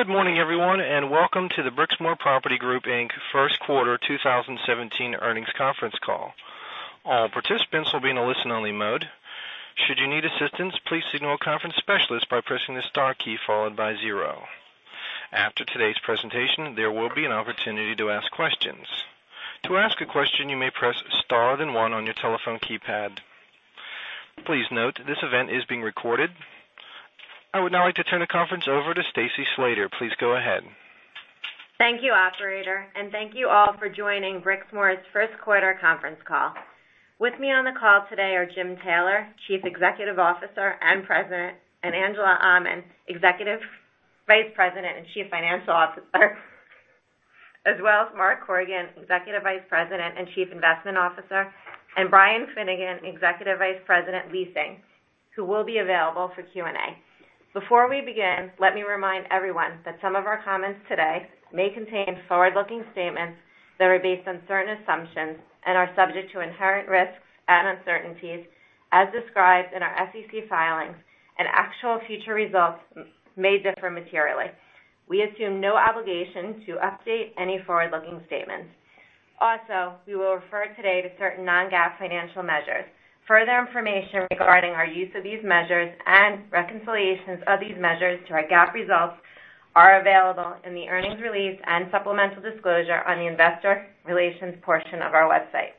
Good morning, everyone, and welcome to the Brixmor Property Group Inc. first quarter 2017 earnings conference call. All participants will be in a listen-only mode. Should you need assistance, please signal a conference specialist by pressing the star key followed by zero. After today's presentation, there will be an opportunity to ask questions. To ask a question, you may press star, then one on your telephone keypad. Please note, this event is being recorded. I would now like to turn the conference over to Stacy Slater. Please go ahead. Thank you, operator. Thank you all for joining Brixmor's first quarter conference call. With me on the call today are James Taylor, Chief Executive Officer and President, and Angela Aman, Executive Vice President and Chief Financial Officer, as well as Mark Horgan, Executive Vice President and Chief Investment Officer, and Brian Finnegan, Executive Vice President, Leasing, who will be available for Q&A. Before we begin, let me remind everyone that some of our comments today may contain forward-looking statements that are based on certain assumptions and are subject to inherent risks and uncertainties as described in our SEC filings, and actual future results may differ materially. We assume no obligation to update any forward-looking statements. Also, we will refer today to certain non-GAAP financial measures. Further information regarding our use of these measures and reconciliations of these measures to our GAAP results are available in the earnings release and supplemental disclosure on the investor relations portion of our website.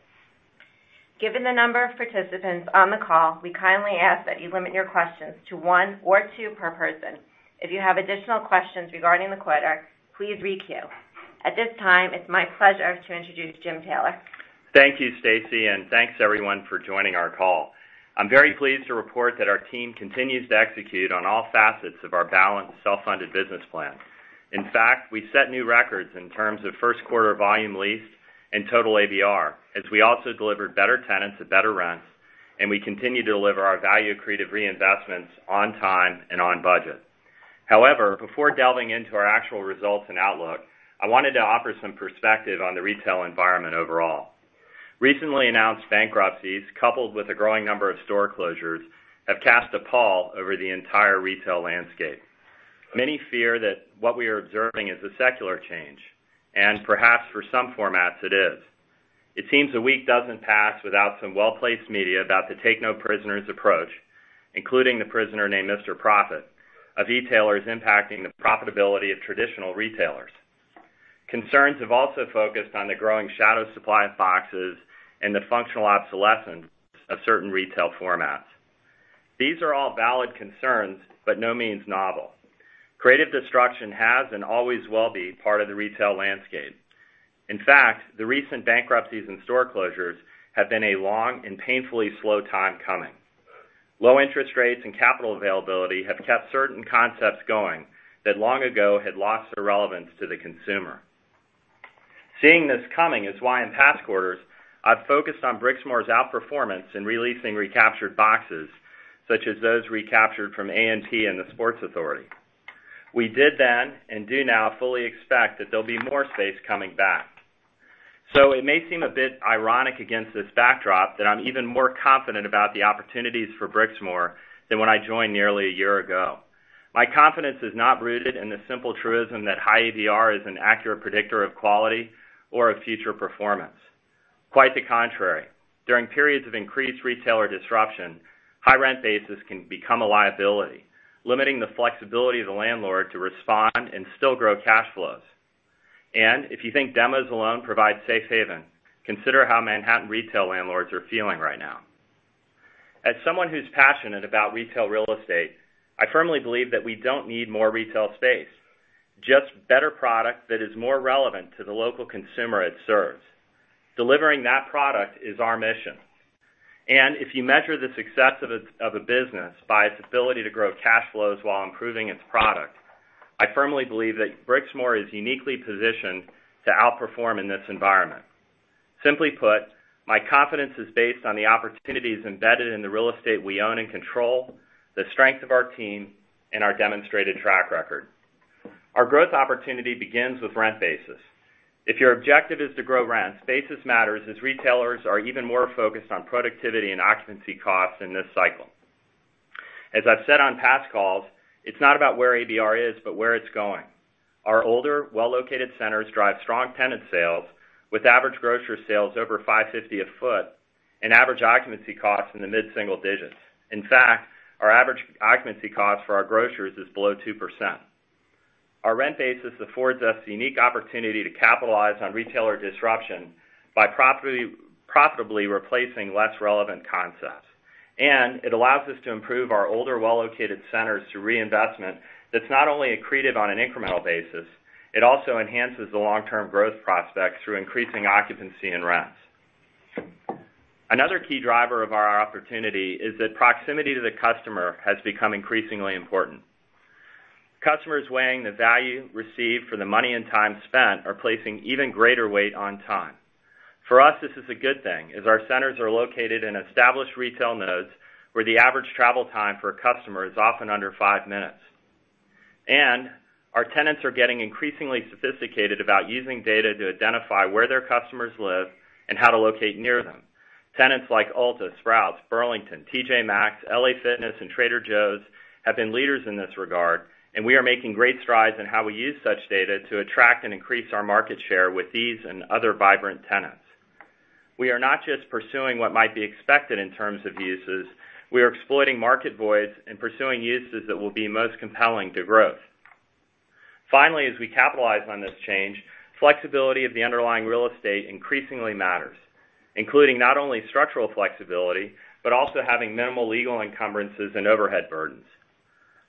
Given the number of participants on the call, we kindly ask that you limit your questions to one or two per person. If you have additional questions regarding the quarter, please re-queue. At this time, it's my pleasure to introduce James Taylor. Thank you, Stacy. Thanks, everyone, for joining our call. I'm very pleased to report that our team continues to execute on all facets of our balanced self-funded business plan. In fact, we set new records in terms of first quarter volume leased and total ABR, as we also delivered better tenants at better rents, and we continue to deliver our value-accretive reinvestments on time and on budget. Before delving into our actual results and outlook, I wanted to offer some perspective on the retail environment overall. Recently announced bankruptcies, coupled with a growing number of store closures, have cast a pall over the entire retail landscape. Many fear that what we are observing is a secular change. Perhaps for some formats it is. It seems a week doesn't pass without some well-placed media about the take-no-prisoners approach, including the prisoner named Mr. Profit. Of e-tailers impacting the profitability of traditional retailers. Concerns have also focused on the growing shadow supply of boxes and the functional obsolescence of certain retail formats. These are all valid concerns, but no means novel. Creative destruction has and always will be part of the retail landscape. In fact, the recent bankruptcies and store closures have been a long and painfully slow time coming. Low interest rates and capital availability have kept certain concepts going that long ago had lost their relevance to the consumer. Seeing this coming is why in past quarters I've focused on Brixmor's outperformance in re-leasing recaptured boxes, such as those recaptured from A&P and the Sports Authority. We did then and do now fully expect that there'll be more space coming back. It may seem a bit ironic against this backdrop that I'm even more confident about the opportunities for Brixmor than when I joined nearly a year ago. My confidence is not rooted in the simple truism that high ABR is an accurate predictor of quality or of future performance. Quite the contrary. During periods of increased retailer disruption, high rent bases can become a liability, limiting the flexibility of the landlord to respond and still grow cash flows. If you think demos alone provide safe haven, consider how Manhattan retail landlords are feeling right now. As someone who's passionate about retail real estate, I firmly believe that we don't need more retail space, just better product that is more relevant to the local consumer it serves. Delivering that product is our mission. If you measure the success of a business by its ability to grow cash flows while improving its product, I firmly believe that Brixmor is uniquely positioned to outperform in this environment. Simply put, my confidence is based on the opportunities embedded in the real estate we own and control, the strength of our team, and our demonstrated track record. Our growth opportunity begins with rent basis. If your objective is to grow rents, basis matters as retailers are even more focused on productivity and occupancy costs in this cycle. As I've said on past calls, it's not about where ABR is, but where it's going. Our older, well-located centers drive strong tenant sales with average grocery sales over $550 a foot and average occupancy costs in the mid-single digits. In fact, our average occupancy cost for our grocers is below 2%. Our rent basis affords us the unique opportunity to capitalize on retailer disruption by profitably replacing less relevant concepts. It allows us to improve our older, well-located centers through reinvestment that's not only accretive on an incremental basis, it also enhances the long-term growth prospects through increasing occupancy and rents. Another key driver of our opportunity is that proximity to the customer has become increasingly important. Customers weighing the value received for the money and time spent are placing even greater weight on time. For us, this is a good thing, as our centers are located in established retail nodes where the average travel time for a customer is often under five minutes. Our tenants are getting increasingly sophisticated about using data to identify where their customers live and how to locate near them. Tenants like Ulta, Sprouts, Burlington, TJ Maxx, LA Fitness, and Trader Joe's have been leaders in this regard, and we are making great strides in how we use such data to attract and increase our market share with these and other vibrant tenants. We are not just pursuing what might be expected in terms of uses. We are exploiting market voids and pursuing uses that will be most compelling to growth. Finally, as we capitalize on this change, flexibility of the underlying real estate increasingly matters, including not only structural flexibility, but also having minimal legal encumbrances and overhead burdens.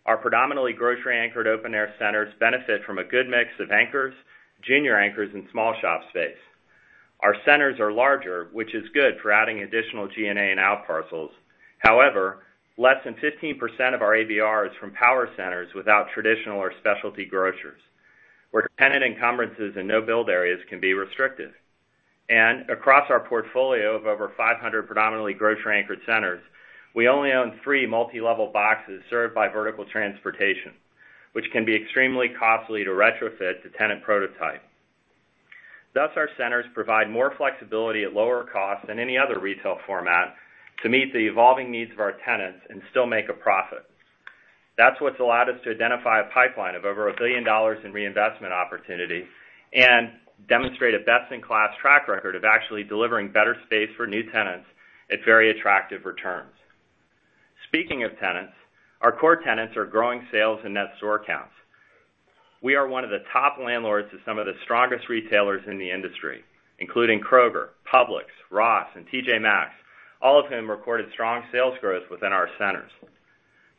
Our predominantly grocery-anchored open-air centers benefit from a good mix of anchors, junior anchors, and small shop space. Our centers are larger, which is good for adding additional GLA and outparcels. Less than 15% of our ABR is from power centers without traditional or specialty grocers, where tenant encumbrances and no-build areas can be restricted. Across our portfolio of over 500 predominantly grocery-anchored centers, we only own 3 multi-level boxes served by vertical transportation, which can be extremely costly to retrofit to tenant prototype. Our centers provide more flexibility at lower cost than any other retail format to meet the evolving needs of our tenants and still make a profit. That's what's allowed us to identify a pipeline of over $1 billion in reinvestment opportunity and demonstrate a best-in-class track record of actually delivering better space for new tenants at very attractive returns. Speaking of tenants, our core tenants are growing sales and net store counts. We are one of the top landlords to some of the strongest retailers in the industry, including Kroger, Publix, Ross, and TJ Maxx, all of whom recorded strong sales growth within our centers.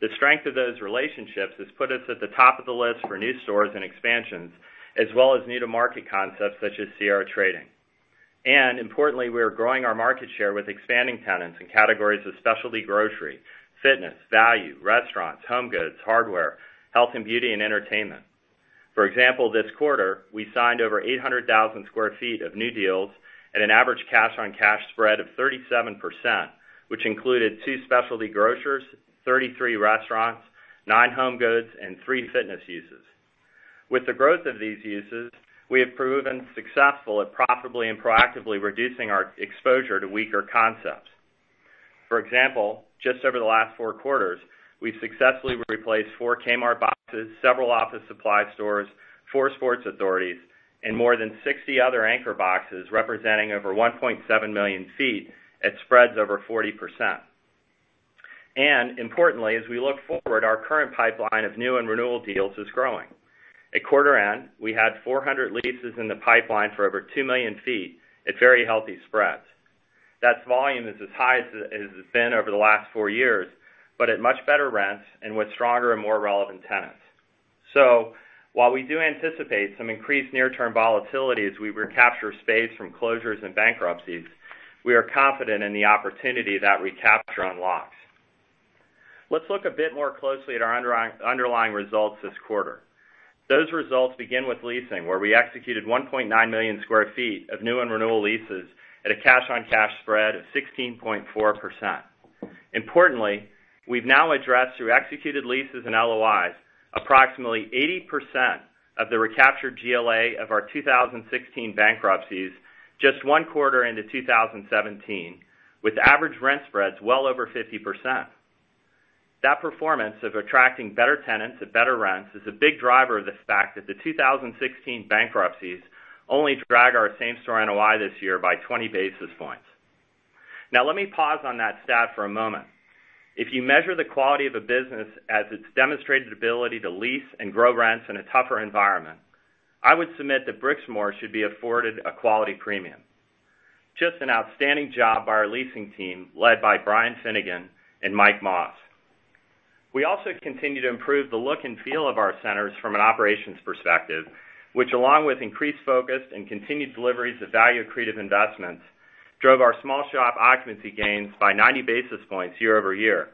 The strength of those relationships has put us at the top of the list for new stores and expansions, as well as new-to-market concepts such as Sierra. Importantly, we are growing our market share with expanding tenants in categories of specialty grocery, fitness, value, restaurants, home goods, hardware, health and beauty, and entertainment. For example, this quarter, we signed over 800,000 sq ft of new deals at an average cash-on-cash spread of 37%, which included 2 specialty grocers, 33 restaurants, 9 home goods, and 3 fitness uses. With the growth of these uses, we have proven successful at profitably and proactively reducing our exposure to weaker concepts. For example, just over the last four quarters, we've successfully replaced 4 Kmart boxes, several office supply stores, 4 Sports Authorities, and more than 60 other anchor boxes representing over 1.7 million feet at spreads over 40%. Importantly, as we look forward, our current pipeline of new and renewal deals is growing. At quarter end, we had 400 leases in the pipeline for over 2 million feet at very healthy spreads. That volume is as high as it has been over the last four years, but at much better rents and with stronger and more relevant tenants. While we do anticipate some increased near-term volatility as we recapture space from closures and bankruptcies, we are confident in the opportunity that recapture unlocks. Let's look a bit more closely at our underlying results this quarter. Those results begin with leasing, where we executed 1.9 million sq ft of new and renewal leases at a cash-on-cash spread of 16.4%. Importantly, we've now addressed, through executed leases and LOIs, approximately 80% of the recaptured GLA of our 2016 bankruptcies just one quarter into 2017, with average rent spreads well over 50%. That performance of attracting better tenants at better rents is a big driver of the fact that the 2016 bankruptcies only drag our same-store NOI this year by 20 basis points. Let me pause on that stat for a moment. If you measure the quality of a business as its demonstrated ability to lease and grow rents in a tougher environment, I would submit that Brixmor should be afforded a quality premium. Just an outstanding job by our leasing team led by Brian Finnegan and Mike Moss. We also continue to improve the look and feel of our centers from an operations perspective, which, along with increased focus and continued deliveries of value-accretive investments, drove our small shop occupancy gains by 90 basis points year-over-year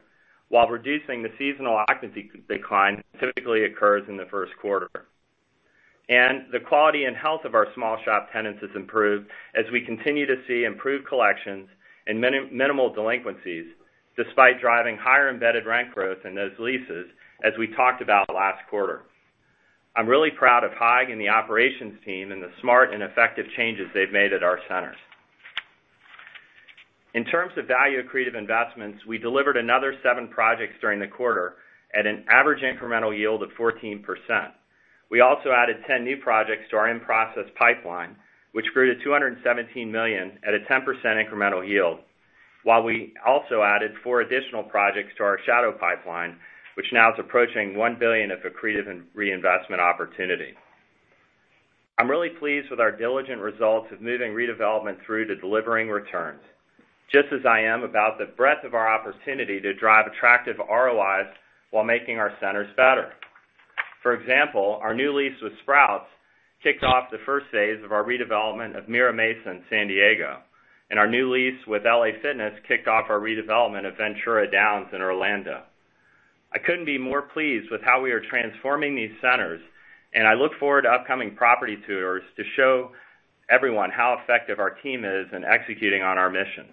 while reducing the seasonal occupancy decline that typically occurs in the first quarter. The quality and health of our small shop tenants has improved as we continue to see improved collections and minimal delinquencies despite driving higher embedded rent growth in those leases as we talked about last quarter. I'm really proud of Haig and the operations team and the smart and effective changes they've made at our centers. In terms of value-accretive investments, we delivered another seven projects during the quarter at an average incremental yield of 14%. We also added 10 new projects to our in-process pipeline, which grew to $217 million at a 10% incremental yield, while we also added four additional projects to our shadow pipeline, which now is approaching $1 billion of accretive in reinvestment opportunity. I'm really pleased with our diligent results of moving redevelopment through to delivering returns, just as I am about the breadth of our opportunity to drive attractive ROIs while making our centers better. For example, our new lease with Sprouts kicked off the first phase of our redevelopment of Mira Mesa in San Diego. Our new lease with LA Fitness kicked off our redevelopment of Ventura Downs in Orlando. I couldn't be more pleased with how we are transforming these centers. I look forward to upcoming property tours to show everyone how effective our team is in executing on our mission.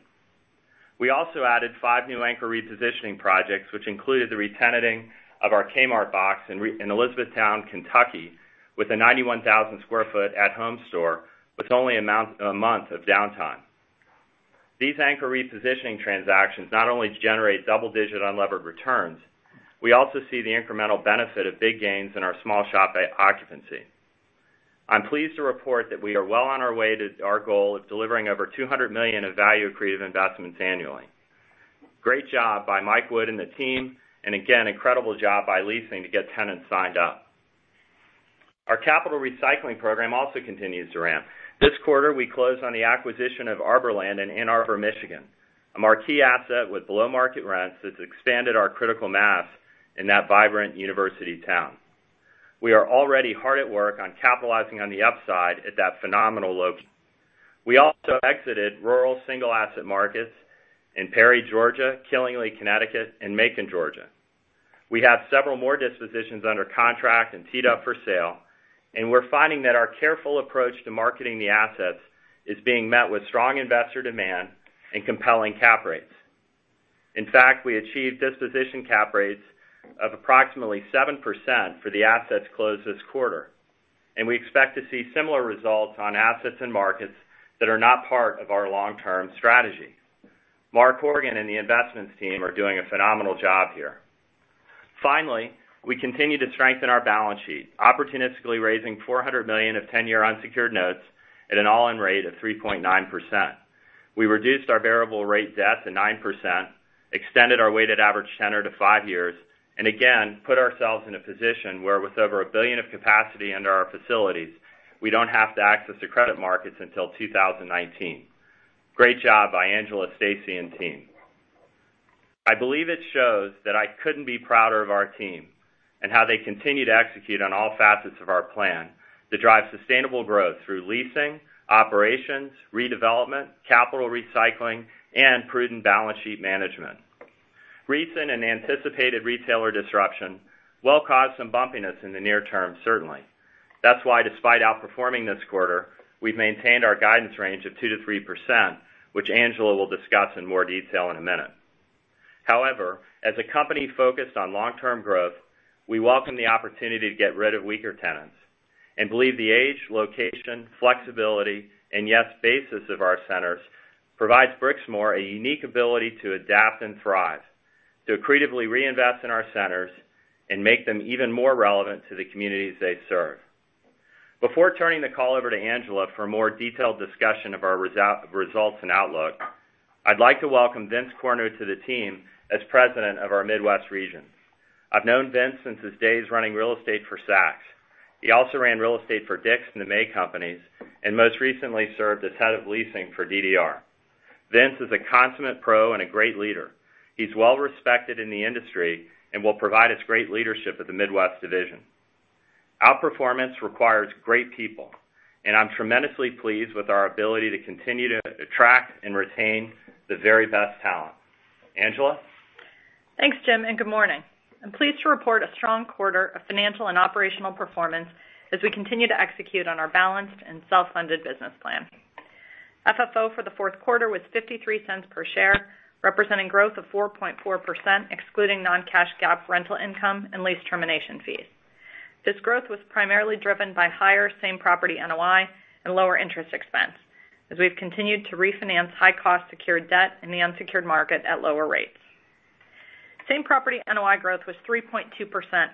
We also added five new anchor repositioning projects, which included the re-tenanting of our Kmart box in Elizabethtown, Kentucky, with a 91,000 sq ft At Home store with only a month of downtime. These anchor repositioning transactions not only generate double-digit unlevered returns, we also see the incremental benefit of big gains in our small shop occupancy. I'm pleased to report that we are well on our way to our goal of delivering over $200 million of value-accretive investments annually. Great job by Mike Wood and the team. Again, incredible job by leasing to get tenants signed up. Our capital recycling program also continues to ramp. This quarter, we closed on the acquisition of Arborland in Ann Arbor, Michigan, a marquee asset with below-market rents that's expanded our critical mass in that vibrant university town. We are already hard at work on capitalizing on the upside at that phenomenal location. We also exited rural single-asset markets in Perry, Georgia, Killingly, Connecticut, and Macon, Georgia. We have several more dispositions under contract and teed up for sale. We're finding that our careful approach to marketing the assets is being met with strong investor demand and compelling cap rates. In fact, we achieved disposition cap rates of approximately 7% for the assets closed this quarter, and we expect to see similar results on assets and markets that are not part of our long-term strategy. Mark Horgan and the investments team are doing a phenomenal job here. Finally, we continue to strengthen our balance sheet, opportunistically raising $400 million of 10-year unsecured notes at an all-in rate of 3.9%. We reduced our variable rate debt to 9%, extended our weighted average tenor to five years. Again, put ourselves in a position where with over $1 billion of capacity under our facilities, we don't have to access the credit markets until 2019. Great job by Angela, Stacy, and team. I believe it shows that I couldn't be prouder of our team and how they continue to execute on all facets of our plan to drive sustainable growth through leasing, operations, redevelopment, capital recycling, and prudent balance sheet management. Recent and anticipated retailer disruption will cause some bumpiness in the near term, certainly. That's why, despite outperforming this quarter, we've maintained our guidance range of 2% to 3%, which Angela will discuss in more detail in a minute. As a company focused on long-term growth, we welcome the opportunity to get rid of weaker tenants and believe the age, location, flexibility, and yes, basis of our centers provides Brixmor a unique ability to adapt and thrive, to accretively reinvest in our centers, and make them even more relevant to the communities they serve. Before turning the call over to Angela for a more detailed discussion of our results and outlook, I'd like to welcome Vince Corno to the team as president of our Midwest region. I've known Vince since his days running real estate for Saks. He also ran real estate for Dick's and the May companies, and most recently served as head of leasing for DDR. Vince is a consummate pro and a great leader. He's well respected in the industry and will provide us great leadership at the Midwest division. Outperformance requires great people. I'm tremendously pleased with our ability to continue to attract and retain the very best talent. Angela? Thanks, Jim, good morning. I'm pleased to report a strong quarter of financial and operational performance as we continue to execute on our balanced and self-funded business plan. FFO for the fourth quarter was $0.53 per share, representing growth of 4.4%, excluding non-cash GAAP rental income and lease termination fees. This growth was primarily driven by higher same-property NOI and lower interest expense, as we've continued to refinance high-cost secured debt in the unsecured market at lower rates. Same-property NOI growth was 3.2%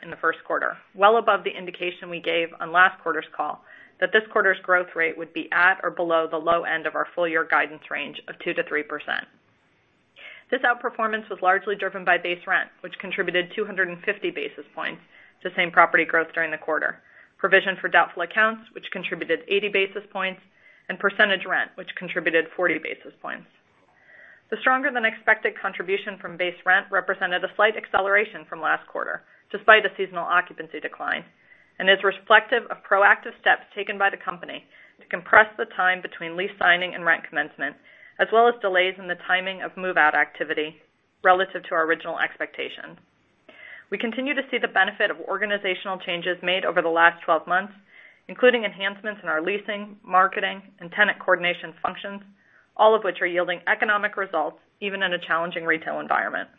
in the first quarter, well above the indication we gave on last quarter's call that this quarter's growth rate would be at or below the low end of our full year guidance range of 2%-3%. This outperformance was largely driven by base rent, which contributed 250 basis points to same-property growth during the quarter. Provision for doubtful accounts, which contributed 80 basis points, and percentage rent, which contributed 40 basis points. The stronger than expected contribution from base rent represented a slight acceleration from last quarter, despite a seasonal occupancy decline, and is reflective of proactive steps taken by the company to compress the time between lease signing and rent commencement, as well as delays in the timing of move-out activity relative to our original expectations. We continue to see the benefit of organizational changes made over the last 12 months, including enhancements in our leasing, marketing, and tenant coordination functions, all of which are yielding economic results even in a challenging retail environment.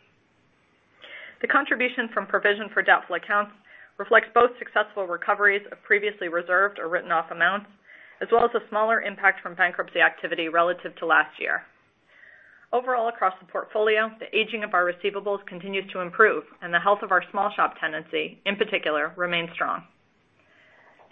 The contribution from provision for doubtful accounts reflects both successful recoveries of previously reserved or written-off amounts, as well as a smaller impact from bankruptcy activity relative to last year. Overall, across the portfolio, the aging of our receivables continues to improve and the health of our small shop tenancy, in particular, remains strong.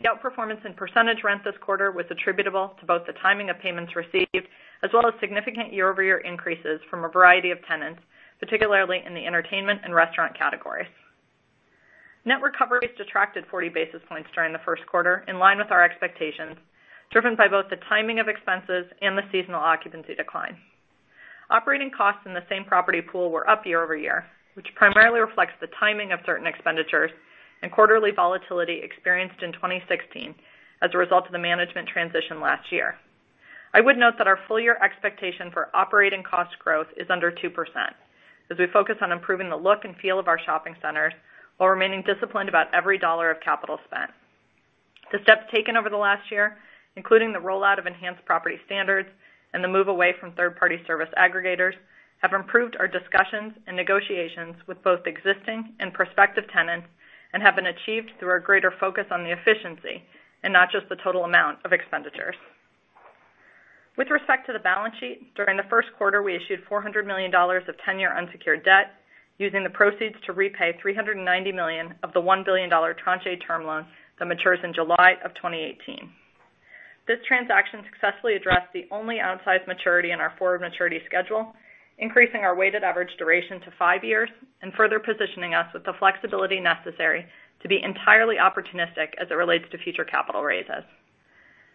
The outperformance in percentage rent this quarter was attributable to both the timing of payments received, as well as significant year-over-year increases from a variety of tenants, particularly in the entertainment and restaurant categories. Net recoveries detracted 40 basis points during the first quarter, in line with our expectations, driven by both the timing of expenses and the seasonal occupancy decline. Operating costs in the same-property pool were up year-over-year, which primarily reflects the timing of certain expenditures and quarterly volatility experienced in 2016 as a result of the management transition last year. I would note that our full year expectation for operating cost growth is under 2% as we focus on improving the look and feel of our shopping centers while remaining disciplined about every dollar of capital spent. The steps taken over the last year, including the rollout of enhanced property standards and the move away from third-party service aggregators, have improved our discussions and negotiations with both existing and prospective tenants and have been achieved through a greater focus on the efficiency and not just the total amount of expenditures. With respect to the balance sheet, during the first quarter, we issued $400 million of 10-year unsecured debt, using the proceeds to repay $390 million of the $1 billion Tranche A term loan that matures in July 2018. This transaction successfully addressed the only outsized maturity in our forward maturity schedule, increasing our weighted average duration to five years and further positioning us with the flexibility necessary to be entirely opportunistic as it relates to future capital raises.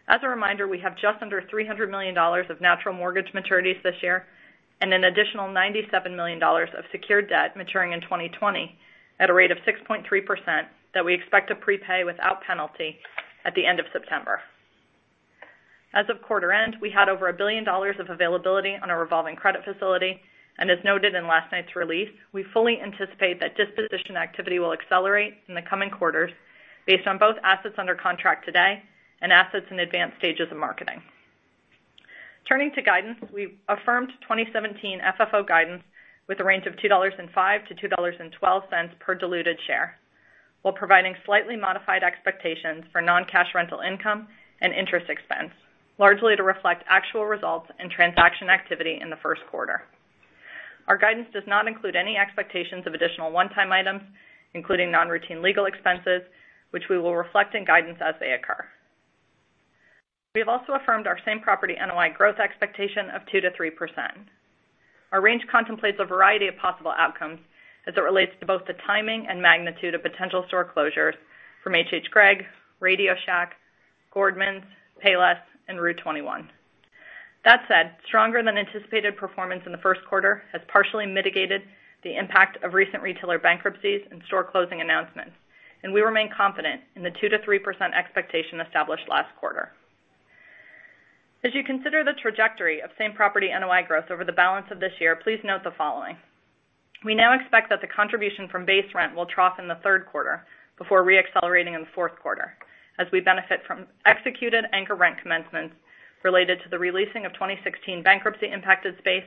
As a reminder, we have just under $300 million of natural mortgage maturities this year and an additional $97 million of secured debt maturing in 2020 at a rate of 6.3% that we expect to prepay without penalty at the end of September. As of quarter end, we had over $1 billion of availability on our revolving credit facility. As noted in last night's release, we fully anticipate that disposition activity will accelerate in the coming quarters based on both assets under contract today and assets in advanced stages of marketing. Turning to guidance, we've affirmed 2017 FFO guidance with a range of $2.05 to $2.12 per diluted share, while providing slightly modified expectations for non-cash rental income and interest expense, largely to reflect actual results and transaction activity in the first quarter. Our guidance does not include any expectations of additional one-time items, including non-routine legal expenses, which we will reflect in guidance as they occur. We have also affirmed our same property NOI growth expectation of 2%-3%. Our range contemplates a variety of possible outcomes as it relates to both the timing and magnitude of potential store closures from H.H. Gregg, RadioShack, Gordmans, Payless, and rue21. That said, stronger than anticipated performance in the first quarter has partially mitigated the impact of recent retailer bankruptcies and store closing announcements, and we remain confident in the 2%-3% expectation established last quarter. As you consider the trajectory of same-property NOI growth over the balance of this year, please note the following. We now expect that the contribution from base rent will trough in the third quarter before re-accelerating in the fourth quarter as we benefit from executed anchor rent commencements related to the re-leasing of 2016 bankruptcy impacted space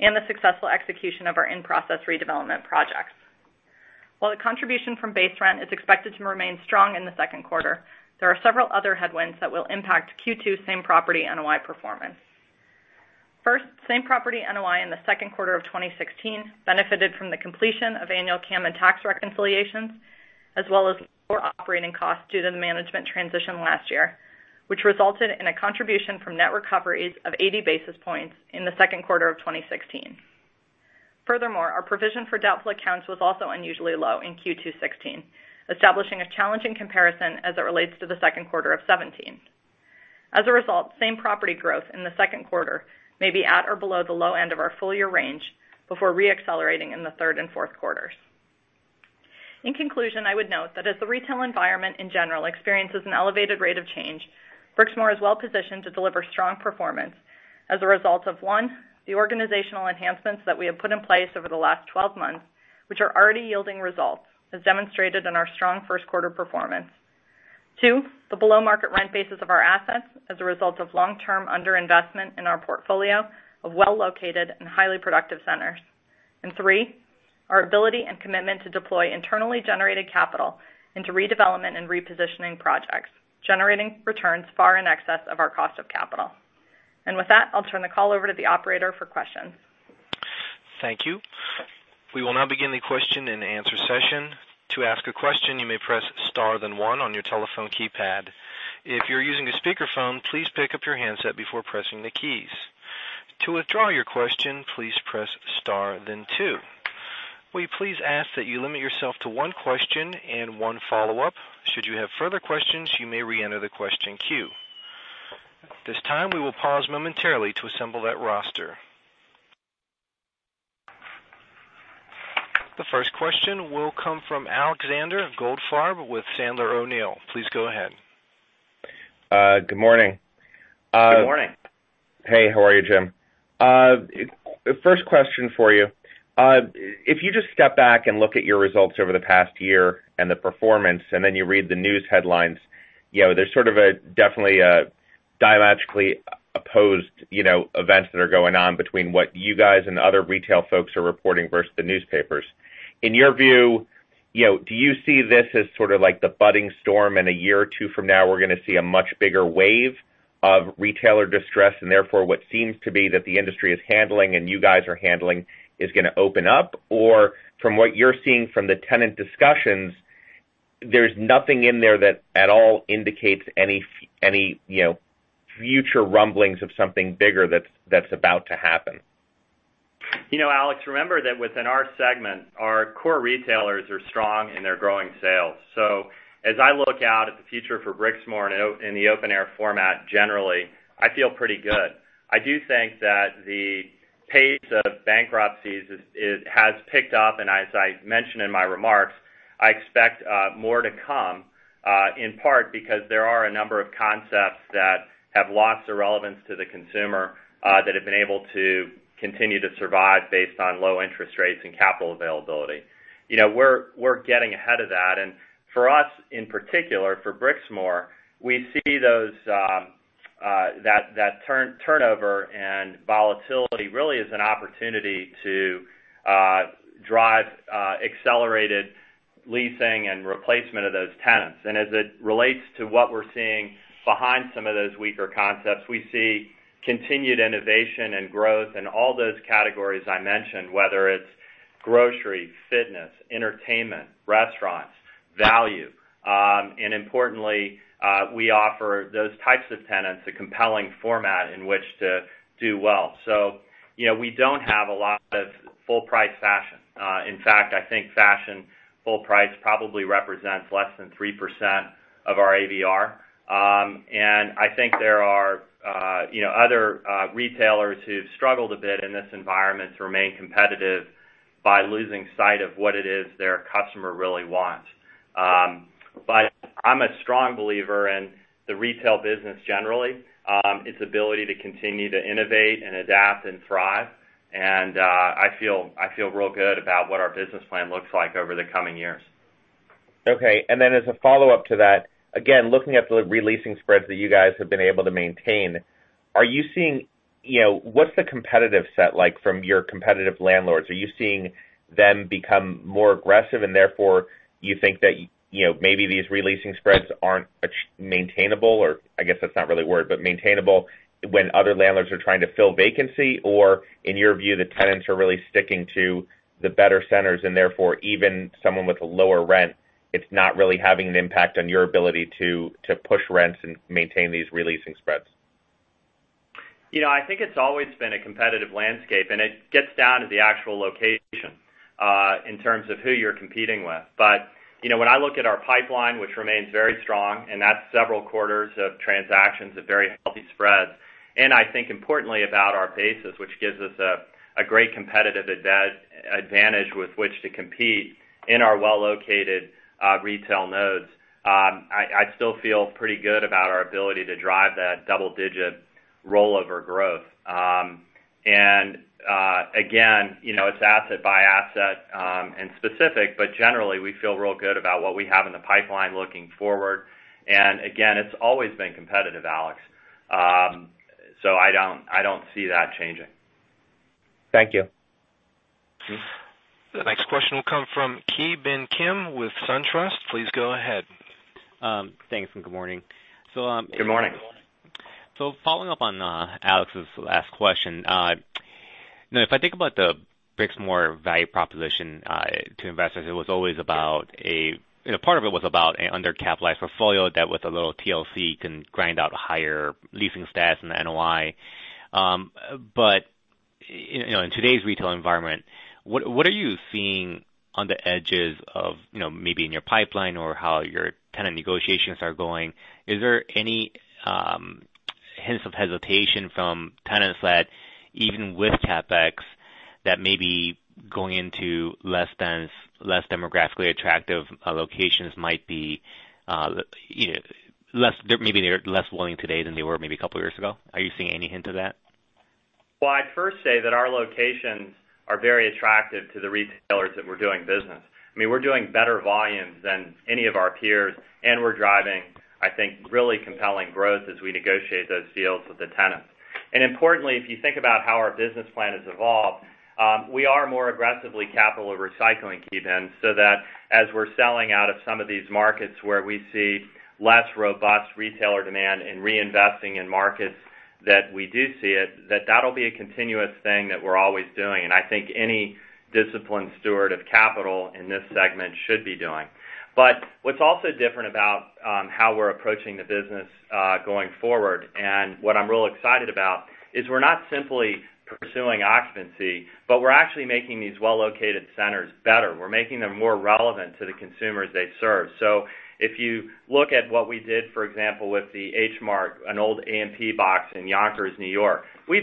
and the successful execution of our in-process redevelopment projects. While the contribution from base rent is expected to remain strong in the second quarter, there are several other headwinds that will impact Q2 same-property NOI performance. First, same-property NOI in the second quarter of 2016 benefited from the completion of annual CAM and tax reconciliations, as well as lower operating costs due to the management transition last year, which resulted in a contribution from net recoveries of 80 basis points in the second quarter of 2016. Our provision for doubtful accounts was also unusually low in Q2 2016, establishing a challenging comparison as it relates to the second quarter of 2017. As a result, same property growth in the second quarter may be at or below the low end of our full-year range before re-accelerating in the third and fourth quarters. In conclusion, I would note that as the retail environment in general experiences an elevated rate of change, Brixmor is well-positioned to deliver strong performance as a result of, 1, the organizational enhancements that we have put in place over the last 12 months, which are already yielding results, as demonstrated in our strong first quarter performance. 2, the below-market rent basis of our assets as a result of long-term underinvestment in our portfolio of well-located and highly productive centers. Three, our ability and commitment to deploy internally generated capital into redevelopment and repositioning projects, generating returns far in excess of our cost of capital. With that, I'll turn the call over to the operator for questions. Thank you. We will now begin the question and answer session. To ask a question, you may press star, then one on your telephone keypad. If you're using a speakerphone, please pick up your handset before pressing the keys. To withdraw your question, please press star, then two. We please ask that you limit yourself to one question and one follow-up. Should you have further questions, you may reenter the question queue. At this time, we will pause momentarily to assemble that roster. The first question will come from Alexander Goldfarb with Sandler O'Neill. Please go ahead. Good morning. Good morning. Hey, how are you, Jim? First question for you. If you just step back and look at your results over the past year and the performance, then you read the news headlines, there's definitely a diametrically opposed events that are going on between what you guys and the other retail folks are reporting versus the newspapers. In your view, do you see this as sort of like the budding storm, a year or two from now, we're going to see a much bigger wave of retailer distress, therefore, what seems to be that the industry is handling and you guys are handling is going to open up? From what you're seeing from the tenant discussions, there's nothing in there that at all indicates any future rumblings of something bigger that's about to happen? Alex, remember that within our segment, our core retailers are strong, and they're growing sales. As I look out at the future for Brixmor in the open-air format, generally, I feel pretty good. I do think that the pace of bankruptcies has picked up, as I mentioned in my remarks, I expect more to come, in part because there are a number of concepts that have lost their relevance to the consumer that have been able to continue to survive based on low interest rates and capital availability. We're getting ahead of that. For us in particular, for Brixmor, we see those That turnover and volatility really is an opportunity to drive accelerated leasing and replacement of those tenants. As it relates to what we're seeing behind some of those weaker concepts, we see continued innovation and growth in all those categories I mentioned, whether it's grocery, fitness, entertainment, restaurants, value. Importantly, we offer those types of tenants a compelling format in which to do well. We don't have a lot of full-price fashion. In fact, I think fashion full price probably represents less than 3% of our ABR. I think there are other retailers who've struggled a bit in this environment to remain competitive by losing sight of what it is their customer really wants. I'm a strong believer in the retail business generally, its ability to continue to innovate and adapt and thrive. I feel real good about what our business plan looks like over the coming years. Okay. As a follow-up to that, again, looking at the re-leasing spreads that you guys have been able to maintain, what's the competitive set like from your competitive landlords? Are you seeing them become more aggressive, and therefore, you think that maybe these re-leasing spreads aren't maintainable? I guess, that's not really a word, but maintainable when other landlords are trying to fill vacancy? In your view, the tenants are really sticking to the better centers and therefore, even someone with a lower rent, it's not really having an impact on your ability to push rents and maintain these re-leasing spreads. I think it's always been a competitive landscape. It gets down to the actual location, in terms of who you're competing with. When I look at our pipeline, which remains very strong, and that's several quarters of transactions at very healthy spreads, and I think importantly about our bases, which gives us a great competitive advantage with which to compete in our well-located retail nodes, I still feel pretty good about our ability to drive that double-digit rollover growth. Again, it's asset by asset and specific, but generally, we feel real good about what we have in the pipeline looking forward. Again, it's always been competitive, Alex. I don't see that changing. Thank you. The next question will come from Ki Bin Kim with SunTrust. Please go ahead. Thanks, and good morning. Good morning. Following up on Alex's last question, if I think about the Brixmor value proposition to investors, part of it was about an undercapitalized portfolio that with a little TLC can grind out higher leasing stats and NOI. In today's retail environment, what are you seeing on the edges of maybe in your pipeline or how your tenant negotiations are going? Is there any hints of hesitation from tenants that even with CapEx, that may be going into less demographically attractive locations might be, maybe they're less willing today than they were maybe a couple of years ago? Are you seeing any hint of that? Well, I'd first say that our locations are very attractive to the retailers that we're doing business. We're doing better volumes than any of our peers, and we're driving, I think, really compelling growth as we negotiate those deals with the tenants. Importantly, if you think about how our business plan has evolved, we are more aggressively capital recycling, Ki Bin, so that as we're selling out of some of these markets where we see less robust retailer demand and reinvesting in markets that we do see it, that that'll be a continuous thing that we're always doing. I think any disciplined steward of capital in this segment should be doing. What's also different about how we're approaching the business going forward, and what I'm real excited about is we're not simply pursuing occupancy, but we're actually making these well-located centers better. We're making them more relevant to the consumers they serve. If you look at what we did, for example, with the H Mart, an old A&P box in Yonkers, New York, we've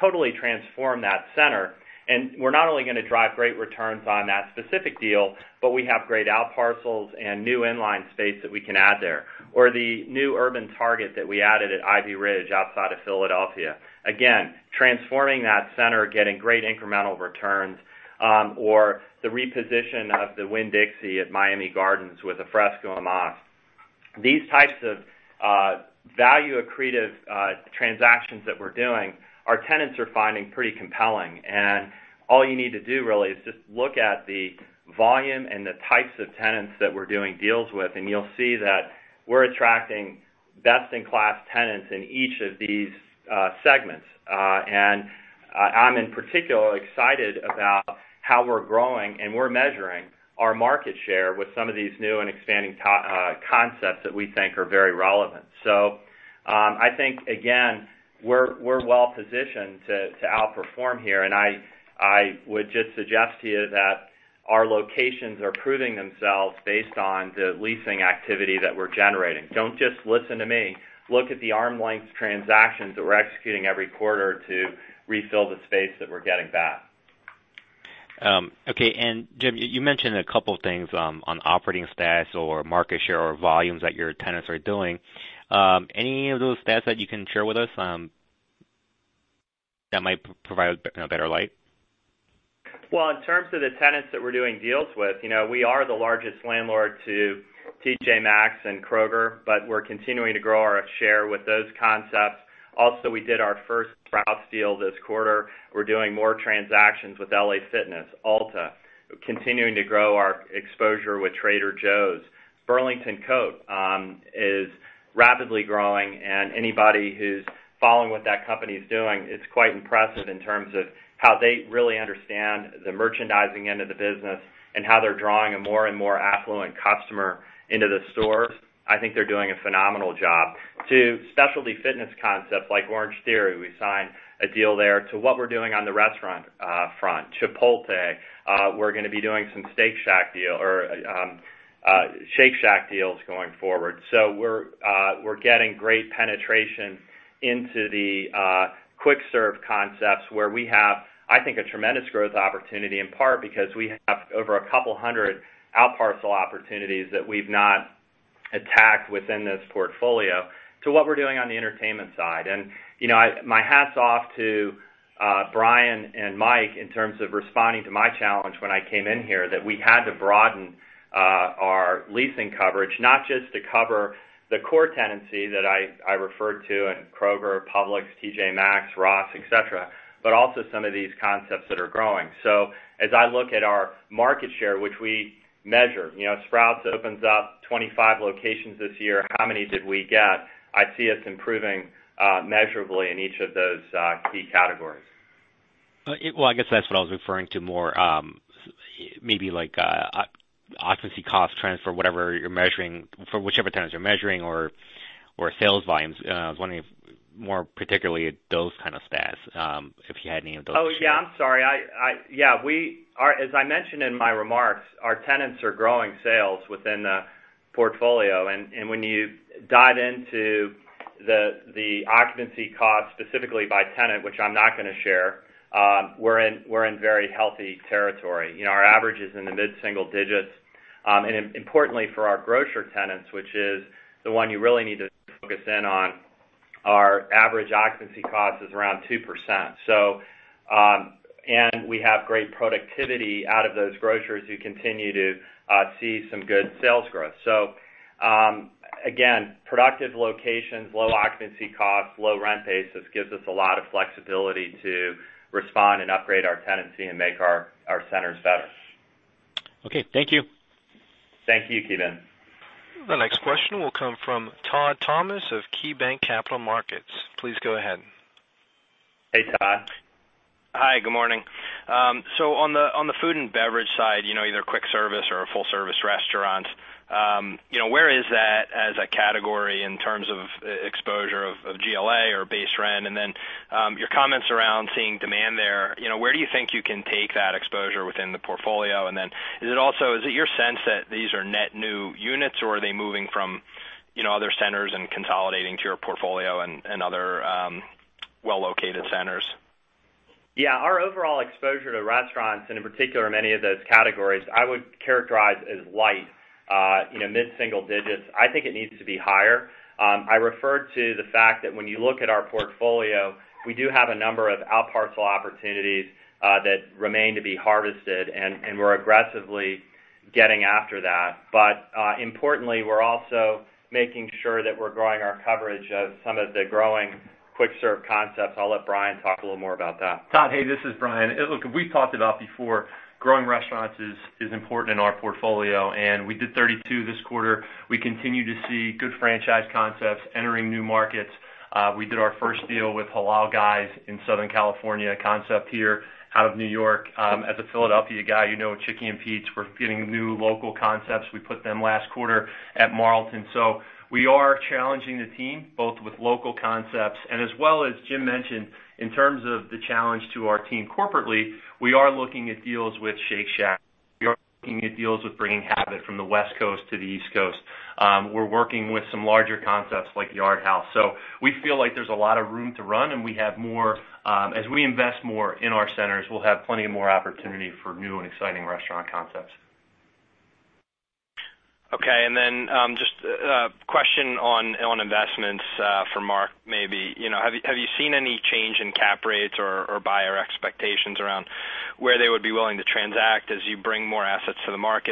totally transformed that center, and we're not only going to drive great returns on that specific deal, but we have great outparcels and new inline space that we can add there. Or the new Urban Target that we added at Ivyridge outside of Philadelphia. Again, transforming that center, getting great incremental returns, or the reposition of the Winn-Dixie at Miami Gardens with a Fresco y Más. These types of value-accretive transactions that we're doing, our tenants are finding pretty compelling. All you need to do really is just look at the volume and the types of tenants that we're doing deals with, and you'll see that we're attracting best-in-class tenants in each of these segments. I'm in particular excited about how we're growing, and we're measuring our market share with some of these new and expanding concepts that we think are very relevant. I think, again, we're well positioned to outperform here, and I would just suggest to you that our locations are proving themselves based on the leasing activity that we're generating. Don't just listen to me. Look at the arm's length transactions that we're executing every quarter to refill the space that we're getting back. Okay. Jim, you mentioned a couple of things on operating stats or market share or volumes that your tenants are doing. Any of those stats that you can share with us? That might provide a better light? Well, in terms of the tenants that we're doing deals with, we are the largest landlord to TJ Maxx and Kroger. We're continuing to grow our share with those concepts. We did our first Sprouts deal this quarter. We're doing more transactions with LA Fitness, Ulta, continuing to grow our exposure with Trader Joe's. Burlington Coat is rapidly growing. Anybody who's following what that company is doing, it's quite impressive in terms of how they really understand the merchandising end of the business and how they're drawing a more and more affluent customer into the stores. I think they're doing a phenomenal job. To specialty fitness concepts like Orangetheory, we signed a deal there. To what we're doing on the restaurant front, Chipotle. We're going to be doing some Shake Shack deals going forward. We're getting great penetration into the quick serve concepts where we have, I think, a tremendous growth opportunity, in part because we have over 200 out parcel opportunities that we've not attacked within this portfolio to what we're doing on the entertainment side. My hat's off to Brian and Mike in terms of responding to my challenge when I came in here that we had to broaden our leasing coverage, not just to cover the core tenancy that I referred to in Kroger, Publix, TJ Maxx, Ross, et cetera, but also some of these concepts that are growing. As I look at our market share, which we measure. Sprouts opens up 25 locations this year. How many did we get? I see us improving measurably in each of those key categories. Well, I guess that's what I was referring to more, maybe like occupancy cost trends for whichever tenants you're measuring or sales volumes. I was wondering if more particularly those kind of stats, if you had any of those. Oh, yeah, I'm sorry. As I mentioned in my remarks, our tenants are growing sales within the portfolio. When you dive into the occupancy cost specifically by tenant, which I'm not going to share, we're in very healthy territory. Our average is in the mid-single digits. Importantly for our grocer tenants, which is the one you really need to focus in on, our average occupancy cost is around 2%. We have great productivity out of those grocers who continue to see some good sales growth. Again, productive locations, low occupancy costs, low rent pace. This gives us a lot of flexibility to respond and upgrade our tenancy and make our centers better. Okay. Thank you. Thank you, Keegan. The next question will come from Todd Thomas of KeyBanc Capital Markets. Please go ahead. Hey, Todd. Hi, good morning. On the food and beverage side, either quick service or a full-service restaurant, where is that as a category in terms of exposure of GLA or base rent? Your comments around seeing demand there, where do you think you can take that exposure within the portfolio? Is it your sense that these are net new units, or are they moving from other centers and consolidating to your portfolio and other well-located centers? Yeah. Our overall exposure to restaurants, and in particular, many of those categories, I would characterize as light, mid-single digits. I think it needs to be higher. I referred to the fact that when you look at our portfolio, we do have a number of out parcel opportunities that remain to be harvested, and we're aggressively getting after that. Importantly, we're also making sure that we're growing our coverage of some of the growing quick serve concepts. I'll let Brian Finnegan talk a little more about that. Todd Thomas, hey, this is Brian Finnegan. Look, we've talked about before, growing restaurants is important in our portfolio, and we did 32 this quarter. We continue to see good franchise concepts entering new markets. We did our first deal with The Halal Guys in Southern California, a concept here out of New York. As a Philadelphia guy, you know Chickie's. We're getting new local concepts. We put them last quarter at Marlton. We are challenging the team both with local concepts as well as Jim Taylor mentioned, in terms of the challenge to our team corporately, we are looking at deals with Shake Shack. We are looking at deals with bringing Habit from the West Coast to the East Coast. We're working with some larger concepts like Yard House. We feel like there's a lot of room to run, and as we invest more in our centers, we'll have plenty more opportunity for new and exciting restaurant concepts. Okay, a question on investments for Mark, maybe. Have you seen any change in cap rates or buyer expectations around where they would be willing to transact as you bring more assets to the market?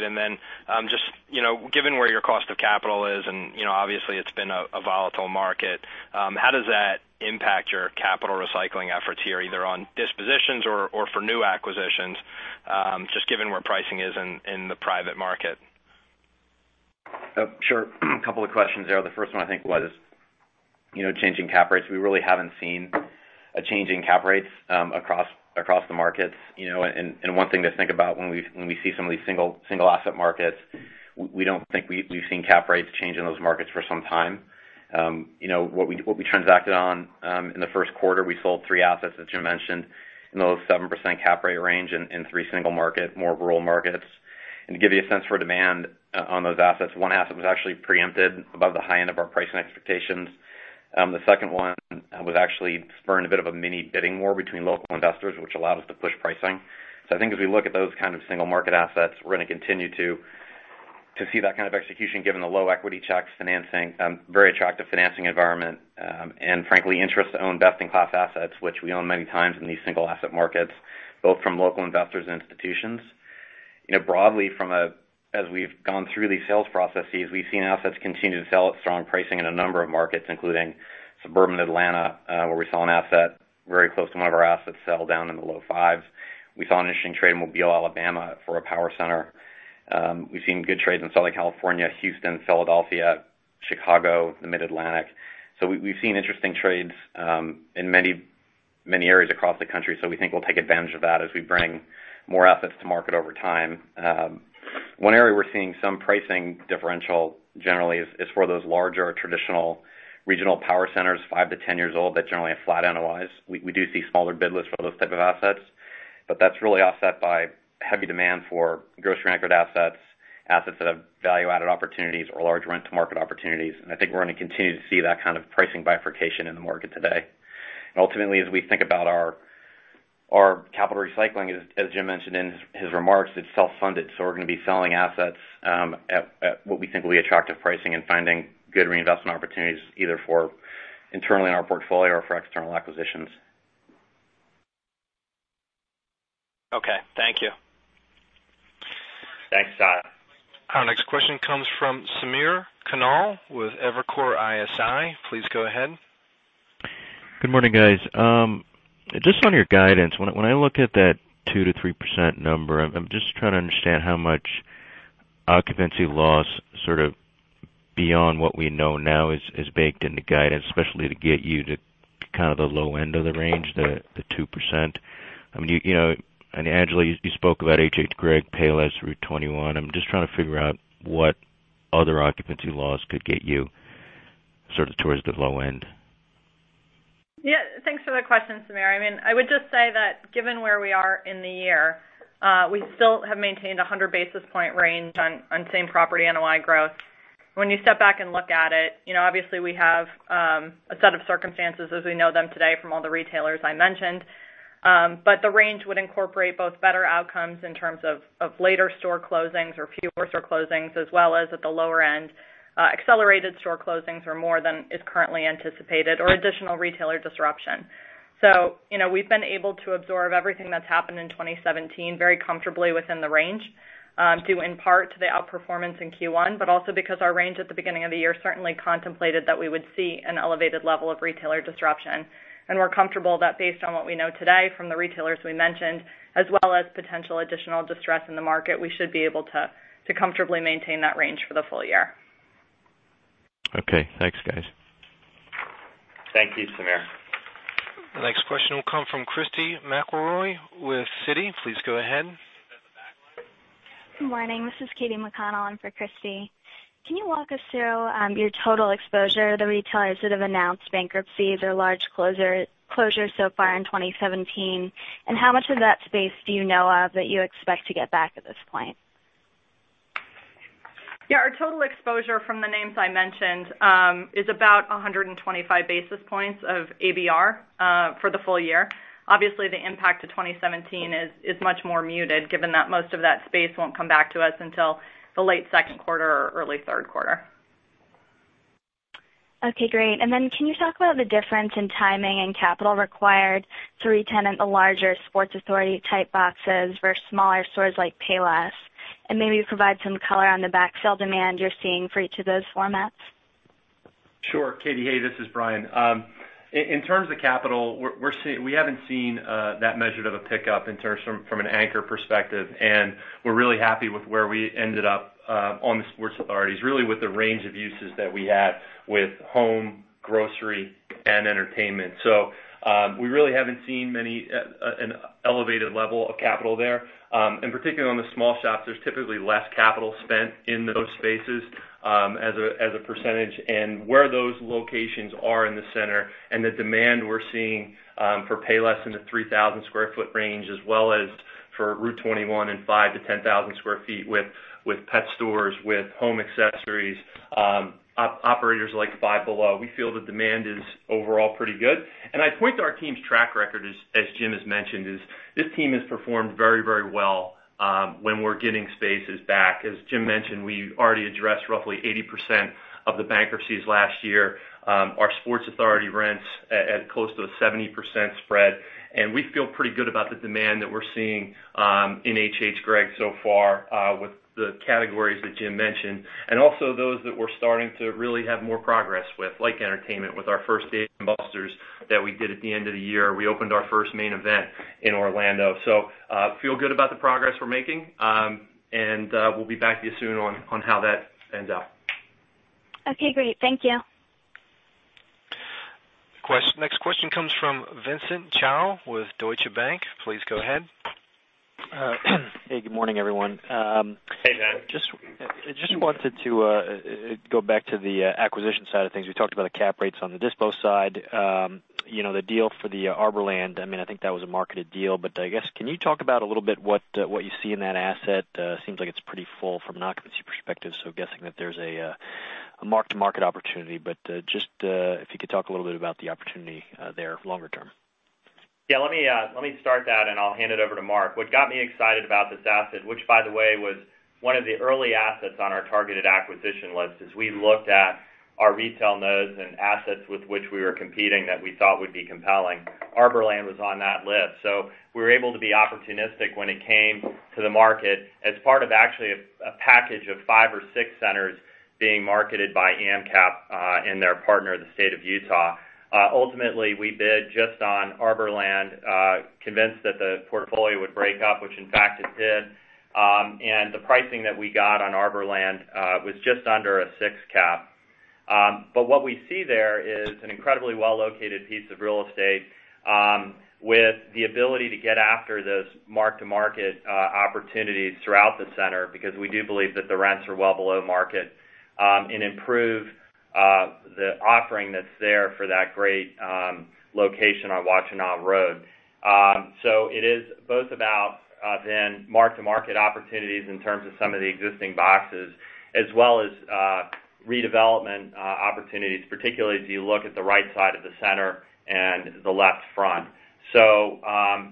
Given where your cost of capital is, and obviously, it's been a volatile market, how does that impact your capital recycling efforts here, either on dispositions or for new acquisitions, just given where pricing is in the private market? Sure. A couple of questions there. The first one I think was changing cap rates. We really haven't seen a change in cap rates across the markets. One thing to think about when we see some of these single asset markets, we don't think we've seen cap rates change in those markets for some time. What we transacted on in the first quarter, we sold 3 assets, as Jim mentioned, in the low 7% cap rate range in 3 single market, more rural markets. To give you a sense for demand on those assets, one asset was actually preempted above the high end of our pricing expectations. The second one was actually spurned a bit of a mini bidding war between local investors, which allowed us to push pricing. I think as we look at those kind of single market assets, we're going to continue to see that kind of execution given the low equity checks financing, very attractive financing environment, and frankly, interest to own best-in-class assets, which we own many times in these single asset markets, both from local investors and institutions. Broadly, as we've gone through these sales processes, we've seen assets continue to sell at strong pricing in a number of markets, including suburban Atlanta, where we saw an asset very close to one of our assets sell down in the low 5s. We saw an interesting trade in Mobile, Alabama for a power center. We've seen good trades in Southern California, Houston, Philadelphia, Chicago, the Mid-Atlantic. We've seen interesting trades in many areas across the country. We think we'll take advantage of that as we bring more assets to market over time. One area we're seeing some pricing differential generally is for those larger traditional regional power centers, 5 to 10 years old, that generally have flat NOIs. We do see smaller bid lists for those type of assets. That's really offset by heavy demand for grocery-anchored assets that have value-added opportunities or large rent-to-market opportunities. I think we're going to continue to see that kind of pricing bifurcation in the market today. Ultimately, as we think about our capital recycling, as Jim mentioned in his remarks, it's self-funded, we're going to be selling assets at what we think will be attractive pricing and finding good reinvestment opportunities, either for internally in our portfolio or for external acquisitions. Okay. Thank you. Thanks, Todd. Our next question comes from Samir Khanal with Evercore ISI. Please go ahead. Good morning, guys. Just on your guidance, when I look at that 2%-3% number, I'm just trying to understand how much occupancy loss sort of beyond what we know now is baked into guidance, especially to get you to kind of the low end of the range, the 2%. Angela, you spoke about HHGregg, Payless, rue21. I'm just trying to figure out what other occupancy loss could get you sort of towards the low end. Yeah. Thanks for the question, Samir. I would just say that given where we are in the year, we still have maintained 100 basis point range on same property NOI growth. When you step back and look at it, obviously we have a set of circumstances as we know them today from all the retailers I mentioned. The range would incorporate both better outcomes in terms of later store closings or fewer store closings, as well as at the lower end, accelerated store closings or more than is currently anticipated or additional retailer disruption. We've been able to absorb everything that's happened in 2017 very comfortably within the range, due in part to the outperformance in Q1, also because our range at the beginning of the year certainly contemplated that we would see an elevated level of retailer disruption. We're comfortable that based on what we know today from the retailers we mentioned, as well as potential additional distress in the market, we should be able to comfortably maintain that range for the full year. Okay, thanks, guys. Thank you, Samir. The next question will come from Christy McElroy with Citi. Please go ahead. Good morning. This is Katie McConnell in for Christy. Can you walk us through your total exposure to the retailers that have announced bankruptcies or large closures so far in 2017? How much of that space do you know of that you expect to get back at this point? Yeah, our total exposure from the names I mentioned, is about 125 basis points of ABR for the full year. Obviously, the impact to 2017 is much more muted given that most of that space won't come back to us until the late second quarter or early third quarter. Okay, great. Can you talk about the difference in timing and capital required to retenant the larger Sports Authority-type boxes versus smaller stores like Payless? Maybe provide some color on the backfill demand you're seeing for each of those formats. Sure, Katie. Hey, this is Brian. In terms of capital, we haven't seen that measured of a pickup from an anchor perspective, and we're really happy with where we ended up on the Sports Authority, really with the range of uses that we had with home, grocery, and entertainment. We really haven't seen an elevated level of capital there. Particularly on the small shops, there's typically less capital spent in those spaces as a percentage. Where those locations are in the center and the demand we're seeing for Payless in the 3,000 sq ft range, as well as for rue21 in 5,000-10,000 sq ft with pet stores, with home accessories, operators like Five Below. We feel the demand is overall pretty good. I point to our team's track record as Jim has mentioned, is this team has performed very well when we're getting spaces back. As Jim mentioned, we already addressed roughly 80% of the bankruptcies last year. Our Sports Authority rents at close to a 70% spread, we feel pretty good about the demand that we're seeing in HHGregg so far with the categories that Jim mentioned. Also those that we're starting to really have more progress with, like entertainment with our first Dave & Buster's that we did at the end of the year. We opened our first Main Event in Orlando. Feel good about the progress we're making. We'll be back to you soon on how that ends up. Okay, great. Thank you. Next question comes from Vincent Chao with Deutsche Bank. Please go ahead. Hey, good morning, everyone. Hey, Vin. Just wanted to go back to the acquisition side of things. We talked about the cap rates on the dispo side. The deal for the Arborland, I think that was a marketed deal, but I guess can you talk about a little bit what you see in that asset? Seems like it's pretty full from an occupancy perspective, so guessing that there's a mark-to-market opportunity. Just if you could talk a little bit about the opportunity there longer term. Yeah, let me start that and I'll hand it over to Mark. What got me excited about this asset, which by the way, was one of the early assets on our targeted acquisition list, as we looked at our retail nodes and assets with which we were competing that we thought would be compelling. Arborland was on that list. We were able to be opportunistic when it came to the market as part of actually a package of five or six centers being marketed by AmCap and their partner, the state of Utah. Ultimately, we bid just on Arborland, convinced that the portfolio would break up, which in fact it did. The pricing that we got on Arborland was just under a six cap. What we see there is an incredibly well-located piece of real estate, with the ability to get after those mark-to-market opportunities throughout the center, because we do believe that the rents are well below market, and improve the offering that's there for that great location on Washtenaw Avenue. It is both about then mark-to-market opportunities in terms of some of the existing boxes, as well as redevelopment opportunities, particularly as you look at the right side of the center and the left front.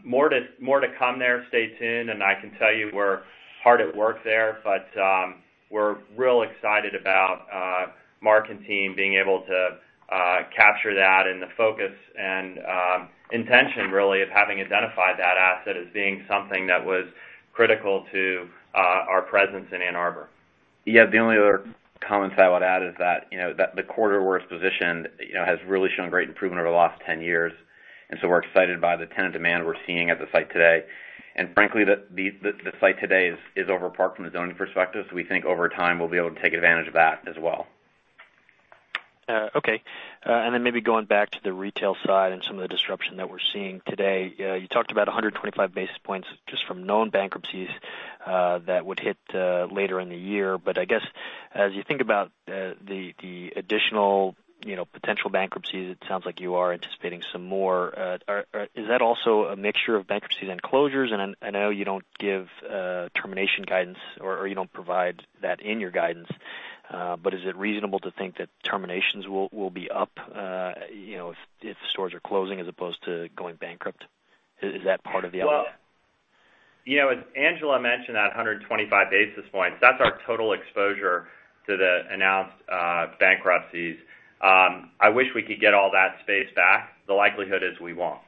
More to come there. Stay tuned, and I can tell you we're hard at work there, but we're real excited about Mark and team being able to capture that and the focus and intention, really, of having identified that asset as being something that was critical to our presence in Ann Arbor. The only other comments I would add is that the corridor we're positioned has really shown great improvement over the last 10 years, we're excited by the tenant demand we're seeing at the site today. Frankly, the site today is over-parked from the zoning perspective, we think over time we'll be able to take advantage of that as well. Okay. Maybe going back to the retail side and some of the disruption that we're seeing today. You talked about 125 basis points just from known bankruptcies that would hit later in the year. I guess as you think about the additional potential bankruptcies, it sounds like you are anticipating some more. Is that also a mixture of bankruptcies and closures? I know you don't give termination guidance, or you don't provide that in your guidance. Is it reasonable to think that terminations will be up if stores are closing as opposed to going bankrupt? Is that part of the outlook? Well, as Angela mentioned, that 125 basis points, that's our total exposure to the announced bankruptcies. I wish we could get all that space back. The likelihood is we won't.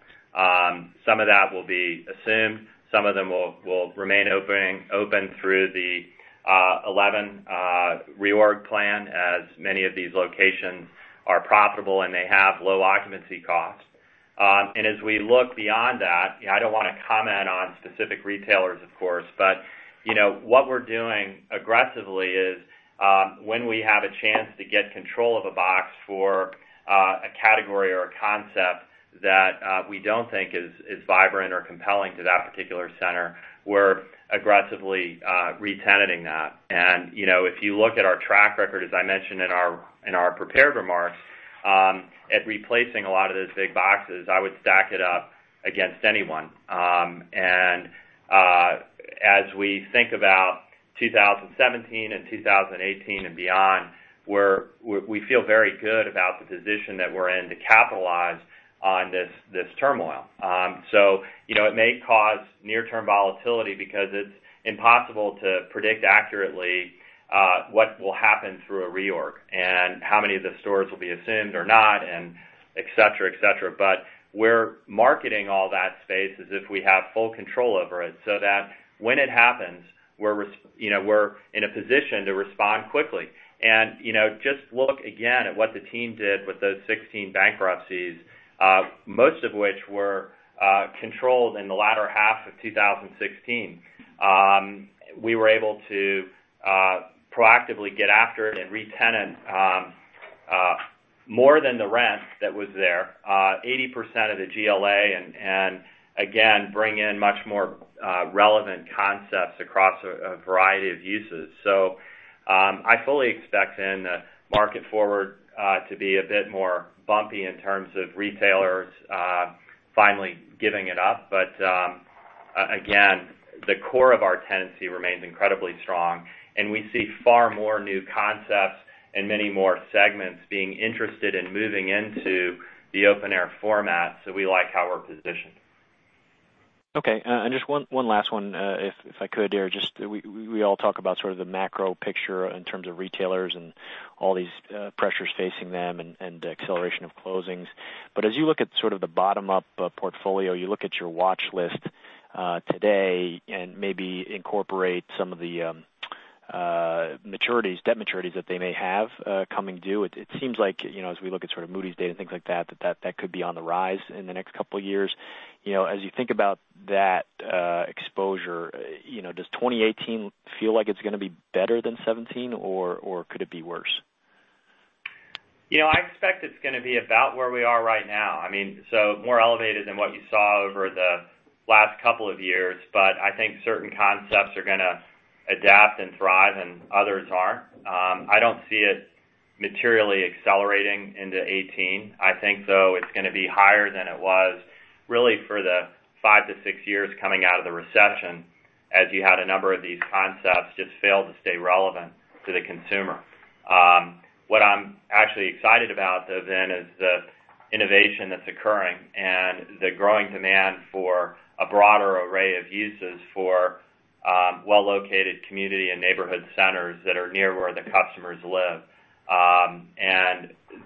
Some of that will be assumed. Some of them will remain open through the 11 reorg plan, as many of these locations are profitable, and they have low occupancy costs. As we look beyond that, I don't want to comment on specific retailers, of course, but what we're doing aggressively is, when we have a chance to get control of a box for a category or a concept that we don't think is vibrant or compelling to that particular center, we're aggressively re-tenanting that. If you look at our track record, as I mentioned in our prepared remarks, at replacing a lot of those big boxes, I would stack it up against anyone. As we think about 2017 and 2018 and beyond, we feel very good about the position that we're in to capitalize on this turmoil. It may cause near-term volatility because it's impossible to predict accurately what will happen through a reorg and how many of the stores will be assumed or not, and et cetera. We're marketing all that space as if we have full control over it, so that when it happens, we're in a position to respond quickly. Just look again at what the team did with those 16 bankruptcies, most of which were controlled in the latter half of 2016. We were able to proactively get after it and re-tenant more than the rent that was there, 80% of the GLA, and again, bring in much more relevant concepts across a variety of uses. I fully expect then the market forward to be a bit more bumpy in terms of retailers finally giving it up. Again, the core of our tenancy remains incredibly strong, and we see far more new concepts and many more segments being interested in moving into the open-air format. We like how we're positioned. Okay, just one last one, if I could there. We all talk about sort of the macro picture in terms of retailers and all these pressures facing them and the acceleration of closings. As you look at sort of the bottom-up portfolio, you look at your watch list today and maybe incorporate some of the debt maturities that they may have coming due. It seems like, as we look at sort of Moody's data and things like that could be on the rise in the next couple of years. As you think about that exposure, does 2018 feel like it's going to be better than 2017, or could it be worse? I expect it's going to be about where we are right now. More elevated than what you saw over the last couple of years, but I think certain concepts are going to adapt and thrive, and others aren't. I don't see it materially accelerating into 2018. I think, though, it's going to be higher than it was really for the five to six years coming out of the recession. You had a number of these concepts just fail to stay relevant to the consumer. What I'm actually excited about, though then, is the innovation that's occurring and the growing demand for a broader array of uses for well-located community and neighborhood centers that are near where the customers live.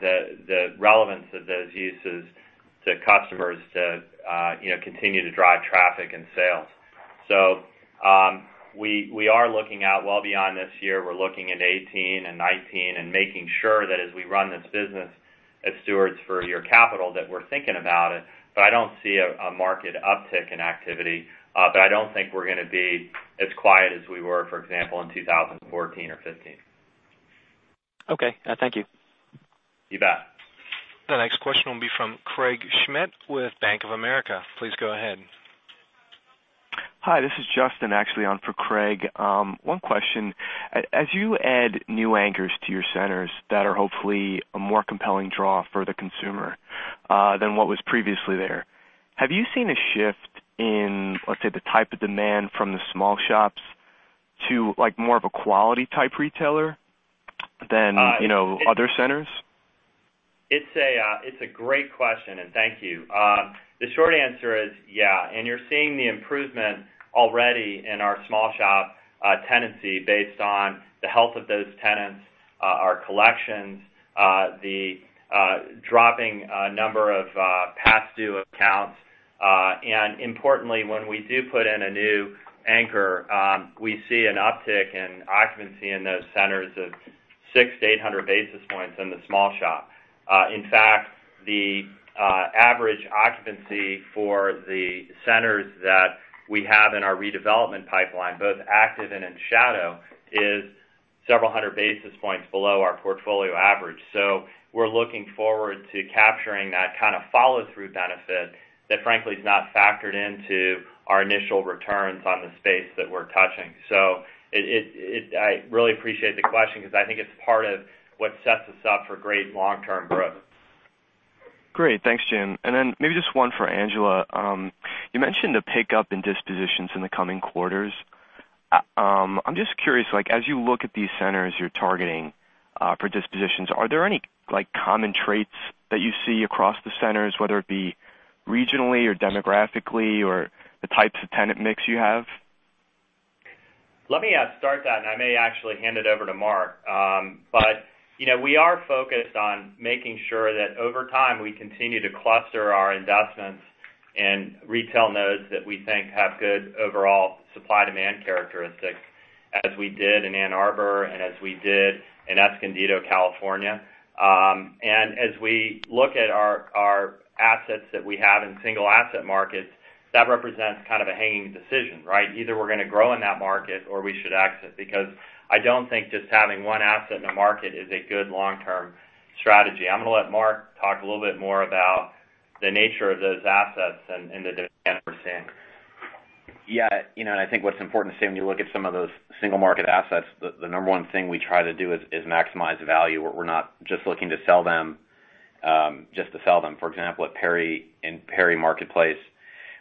The relevance of those uses to customers to continue to drive traffic and sales. We are looking out well beyond this year. We're looking at 2018 and 2019 and making sure that as we run this business, as stewards for your capital, that we're thinking about it. I don't see a market uptick in activity. I don't think we're going to be as quiet as we were, for example, in 2014 or 2015. Okay. Thank you. You bet. The next question will be from Craig Schmidt with Bank of America. Please go ahead. Hi, this is Justin actually on for Craig. One question. As you add new anchors to your centers that are hopefully a more compelling draw for the consumer than what was previously there, have you seen a shift in, let's say, the type of demand from the small shops to more of a quality type retailer than other centers? It's a great question. Thank you. The short answer is yes. You're seeing the improvement already in our small shop tenancy based on the health of those tenants, our collections, the dropping number of past-due accounts. Importantly, when we do put in a new anchor, we see an uptick in occupancy in those centers of 600-800 basis points in the small shop. In fact, the average occupancy for the centers that we have in our redevelopment pipeline, both active and in shadow, is several hundred basis points below our portfolio average. We're looking forward to capturing that kind of follow-through benefit that frankly is not factored into our initial returns on the space that we're touching. I really appreciate the question because I think it's part of what sets us up for great long-term growth. Great. Thanks, Jim. Then maybe just one for Angela. You mentioned the pickup in dispositions in the coming quarters. I'm just curious, as you look at these centers you're targeting for dispositions, are there any common traits that you see across the centers, whether it be regionally or demographically or the types of tenant mix you have? Let me start that. I may actually hand it over to Mark. We are focused on making sure that over time, we continue to cluster our investments in retail nodes that we think have good overall supply-demand characteristics, as we did in Ann Arbor and as we did in Escondido, California. As we look at our assets that we have in single asset markets, that represents kind of a hanging decision, right? Either we're going to grow in that market or we should exit, because I don't think just having one asset in the market is a good long-term strategy. I'm going to let Mark talk a little bit more about the nature of those assets and the demand we're seeing. Yeah. I think what's important to say, when you look at some of those single market assets, the number one thing we try to do is maximize the value. We're not just looking to sell them, just to sell them. For example, in Perry Marketplace,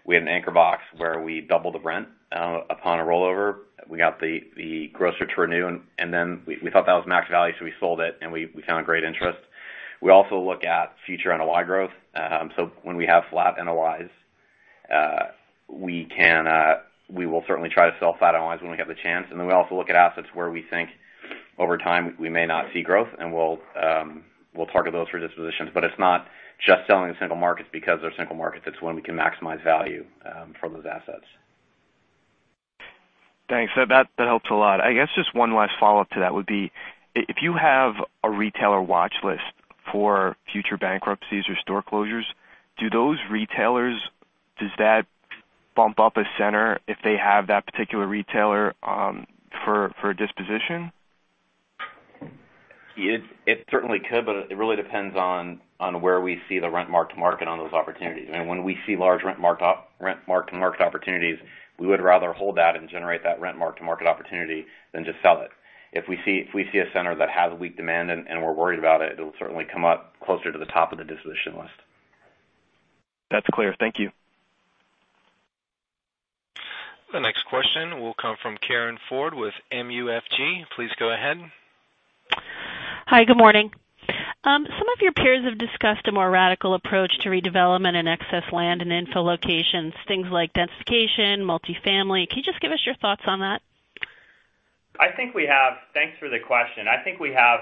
we had an anchor box where we doubled the rent upon a rollover. We got the grocer to renew, then we thought that was max value, so we sold it, and we found great interest. We also look at future NOI growth. When we have flat NOIs, we will certainly try to sell flat NOIs when we get the chance. Then we also look at assets where we think over time we may not see growth, and we'll target those for dispositions. It's not just selling the single markets because they're single markets. It's when we can maximize value from those assets. Thanks. That helps a lot. I guess just one last follow-up to that would be, if you have a retailer watch list for future bankruptcies or store closures, do those retailers, does that bump up a center if they have that particular retailer for disposition? It certainly could, it really depends on where we see the rent market on those opportunities. When we see large rent market opportunities, we would rather hold that and generate that rent market opportunity than just sell it. If we see a center that has weak demand and we're worried about it'll certainly come up closer to the top of the disposition list. That's clear. Thank you. The next question will come from Karin Ford with MUFG. Please go ahead. Hi, good morning. Some of your peers have discussed a more radical approach to redevelopment in excess land and infill locations, things like densification, multifamily. Can you just give us your thoughts on that? Thanks for the question. I think we have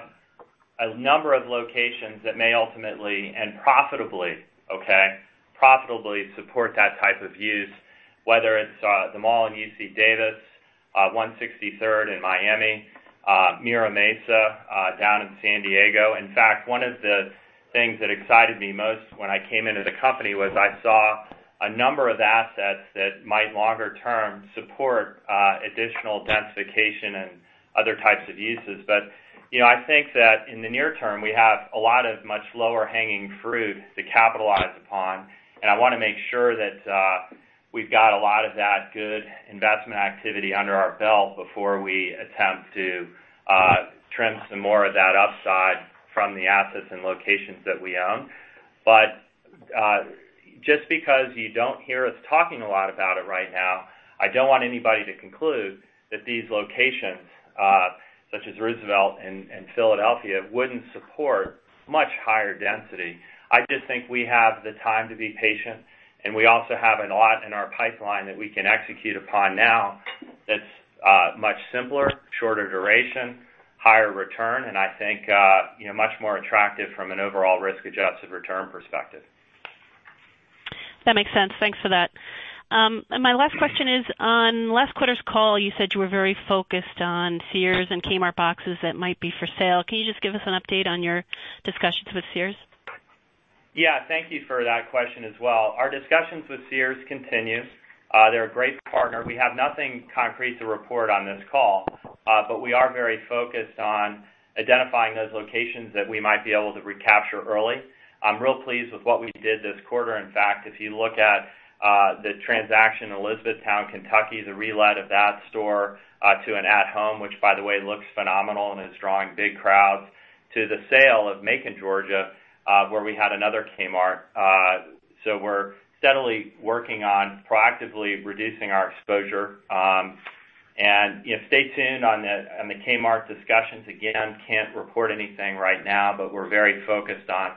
a number of locations that may ultimately and profitably support that type of use, whether it's the mall in UC Davis, 163rd in Miami, Mira Mesa down in San Diego. In fact, one of the things that excited me most when I came into the company was I saw a number of assets that might longer term support additional densification and other types of uses. I think that in the near term, we have a lot of much lower hanging fruit to capitalize upon, and I want to make sure that we've got a lot of that good investment activity under our belt before we attempt to trim some more of that upside from the assets and locations that we own. Just because you don't hear us talking a lot about it right now, I don't want anybody to conclude that these locations, such as Roosevelt Mall and Philadelphia, wouldn't support much higher density. I just think we have the time to be patient, and we also have a lot in our pipeline that we can execute upon now that's much simpler, shorter duration, higher return, and I think, much more attractive from an overall risk-adjusted return perspective. That makes sense. Thanks for that. My last question is, on last quarter's call, you said you were very focused on Sears and Kmart boxes that might be for sale. Can you just give us an update on your discussions with Sears? Thank you for that question as well. Our discussions with Sears continue. They're a great partner. We have nothing concrete to report on this call, but we are very focused on identifying those locations that we might be able to recapture early. I'm real pleased with what we did this quarter. In fact, if you look at the transaction in Elizabethtown, Kentucky, the relet of that store to an At Home, which by the way looks phenomenal and is drawing big crowds, to the sale of Macon, Georgia, where we had another Kmart. We're steadily working on proactively reducing our exposure. Stay tuned on the Kmart discussions. Again, can't report anything right now, but we're very focused on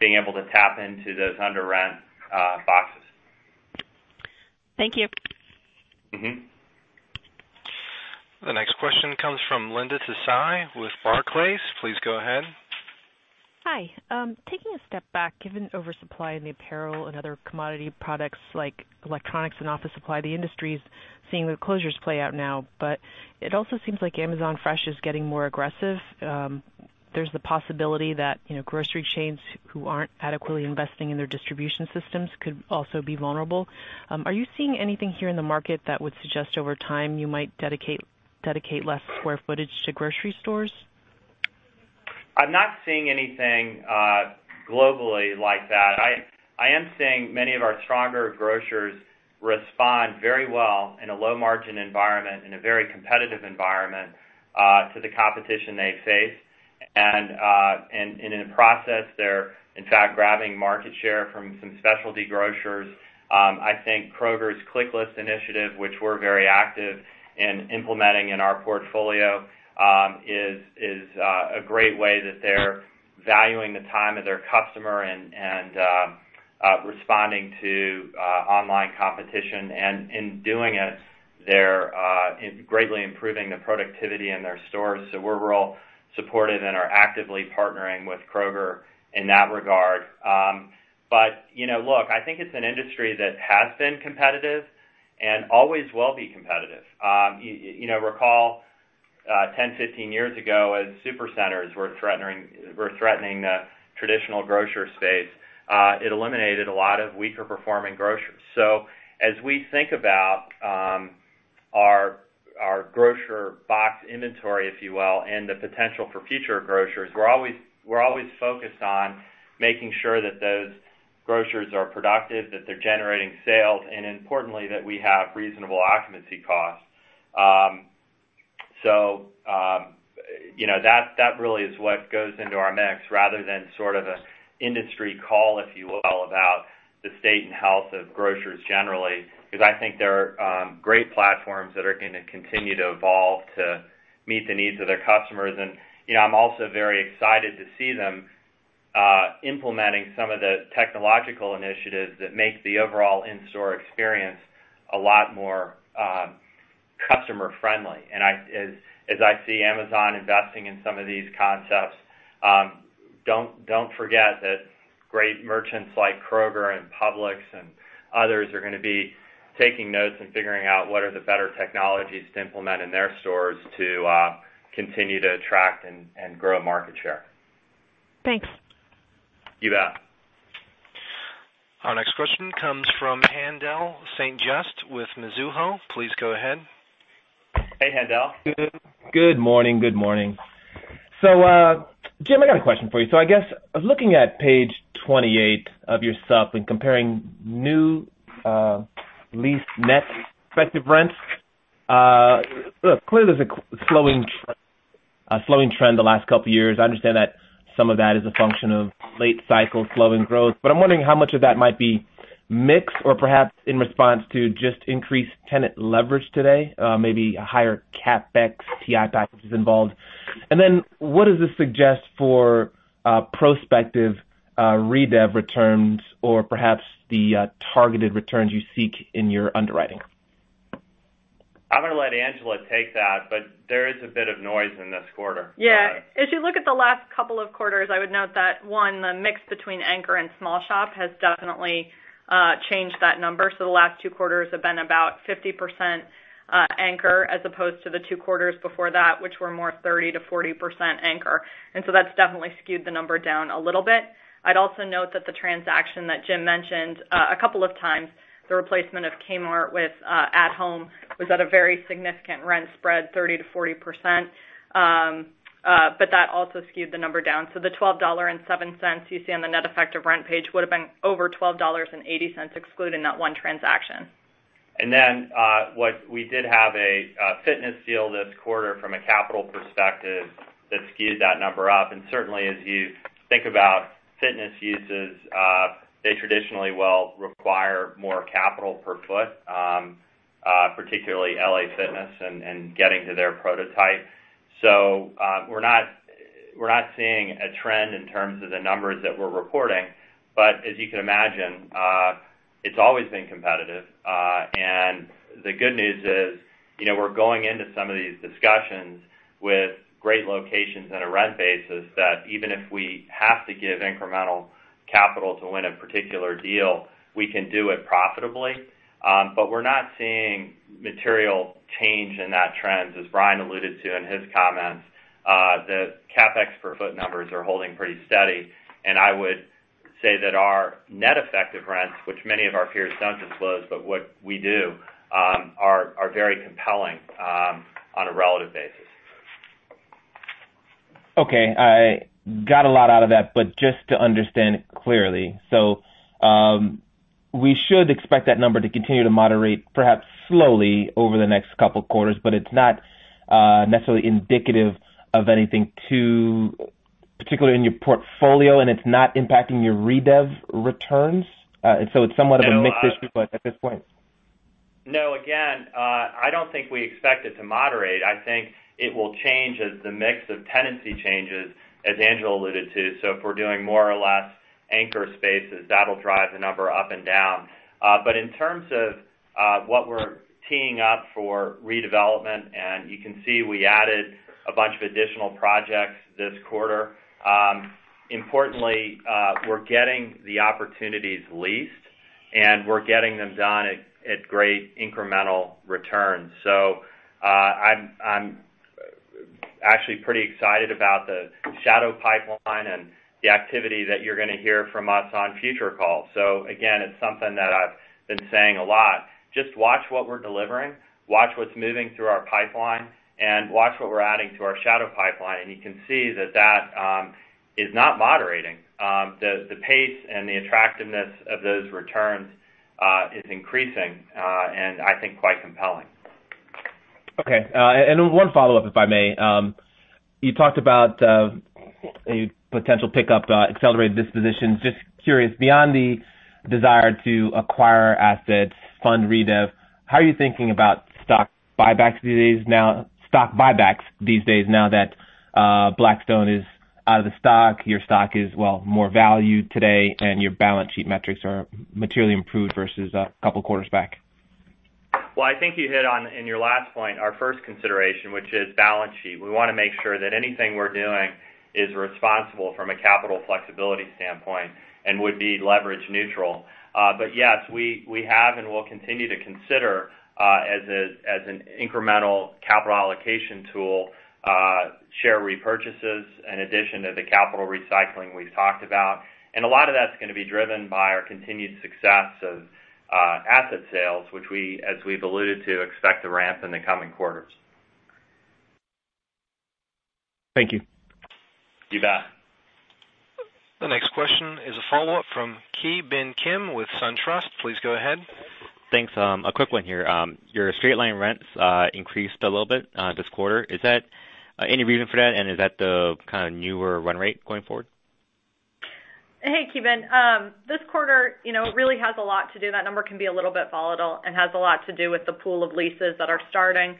being able to tap into those underrent boxes. Thank you. The next question comes from Linda Tsai with Barclays. Please go ahead. Hi. Taking a step back, given oversupply in the apparel and other commodity products like electronics and office supply, the industry's seeing the closures play out now, it also seems like Amazon Fresh is getting more aggressive. There's the possibility that grocery chains who aren't adequately investing in their distribution systems could also be vulnerable. Are you seeing anything here in the market that would suggest over time you might dedicate less square footage to grocery stores? I'm not seeing anything globally like that. I am seeing many of our stronger grocers respond very well in a low-margin environment, in a very competitive environment, to the competition they face. In the process, they're in fact grabbing market share from some specialty grocers. I think Kroger's ClickList Initiative, which we're very active in implementing in our portfolio, is a great way that they're valuing the time of their customer and responding to online competition. In doing it, they're greatly improving the productivity in their stores. We're all supportive and are actively partnering with Kroger in that regard. Look, I think it's an industry that has been competitive and always will be competitive. Recall, 10, 15 years ago, as super centers were threatening the traditional grocer space, it eliminated a lot of weaker-performing grocers. As we think about our grocer box inventory, if you will, and the potential for future grocers, we're always focused on making sure that those grocers are productive, that they're generating sales, and importantly, that we have reasonable occupancy costs. That really is what goes into our mix rather than sort of an industry call, if you will, about the state and health of grocers generally, because I think there are great platforms that are going to continue to evolve to meet the needs of their customers. I'm also very excited to see them implementing some of the technological initiatives that make the overall in-store experience a lot more customer friendly. As I see Amazon investing in some of these concepts, don't forget that great merchants like Kroger and Publix and others are going to be taking notes and figuring out what are the better technologies to implement in their stores to continue to attract and grow market share. Thanks. You bet. Our next question comes from Haendel St. Juste with Mizuho. Please go ahead. Hey, Haendel. Good morning. Jim, I got a question for you. I guess looking at page 28 of your supp and comparing new lease net effective rents. Look, clearly, there's a slowing trend the last couple of years. I understand that some of that is a function of late cycle slowing growth, but I'm wondering how much of that might be mix or perhaps in response to just increased tenant leverage today, maybe a higher CapEx TI package is involved. What does this suggest for prospective redev returns or perhaps the targeted returns you seek in your underwriting? I'm going to let Angela take that, but there is a bit of noise in this quarter. Yeah. If you look at the last couple of quarters, I would note that, one, the mix between anchor and small shop has definitely changed that number. The last two quarters have been about 50% anchor as opposed to the two quarters before that, which were more 30%-40% anchor. That's definitely skewed the number down a little bit. I'd also note that the transaction that Jim mentioned a couple of times, the replacement of Kmart with At Home, was at a very significant rent spread, 30%-40%, but that also skewed the number down. The $12.07 you see on the net effective rent page would have been over $12.80 excluding that one transaction. We did have a fitness deal this quarter from a capital perspective that skewed that number up. Certainly, as you think about fitness uses, they traditionally will require more capital per foot, particularly LA Fitness and getting to their prototype. We're not seeing a trend in terms of the numbers that we're reporting. As you can imagine, it's always been competitive. The good news is, we're going into some of these discussions with great locations on a rent basis, that even if we have to give incremental capital to win a particular deal, we can do it profitably. We're not seeing material change in that trend, as Brian alluded to in his comments. The CapEx per foot numbers are holding pretty steady. I would say that our net effective rents, which many of our peers don't disclose, but what we do, are very compelling on a relative basis. I got a lot out of that, just to understand it clearly. We should expect that number to continue to moderate, perhaps slowly over the next couple of quarters, but it's not necessarily indicative of anything too particular in your portfolio, and it's not impacting your re-dev returns? It's somewhat of a mixed issue at this point. No, again, I don't think we expect it to moderate. I think it will change as the mix of tenancy changes, as Angela alluded to. If we're doing more or less anchor spaces, that'll drive the number up and down. In terms of what we're teeing up for redevelopment, and you can see we added a bunch of additional projects this quarter. Importantly, we're getting the opportunities leased, and we're getting them done at great incremental returns. I'm actually pretty excited about the shadow pipeline and the activity that you're going to hear from us on future calls. Again, it's something that I've been saying a lot. Just watch what we're delivering, watch what's moving through our pipeline, and watch what we're adding to our shadow pipeline, and you can see that that is not moderating. The pace and the attractiveness of those returns is increasing, and I think quite compelling. Okay. One follow-up, if I may. You talked about a potential pickup to accelerate dispositions. Just curious, beyond the desire to acquire assets, fund re-dev, how are you thinking about stock buybacks these days now that Blackstone is out of the stock, your stock is more valued today, and your balance sheet metrics are materially improved versus a couple of quarters back? Well, I think you hit on, in your last point, our first consideration, which is balance sheet. We want to make sure that anything we're doing is responsible from a capital flexibility standpoint and would be leverage neutral. Yes, we have and will continue to consider, as an incremental capital allocation tool, share repurchases in addition to the capital recycling we've talked about. A lot of that's going to be driven by our continued success of asset sales, which as we've alluded to, expect to ramp in the coming quarters. Thank you. You bet. The next question is a follow-up from Ki Bin Kim with SunTrust. Please go ahead. Thanks. A quick one here. Your straight line rents increased a little bit this quarter. Any reason for that? Is that the kind of newer run rate going forward? Hey, Ki Bin. This quarter really has a lot to do. That number can be a little bit volatile and has a lot to do with the pool of leases that are starting,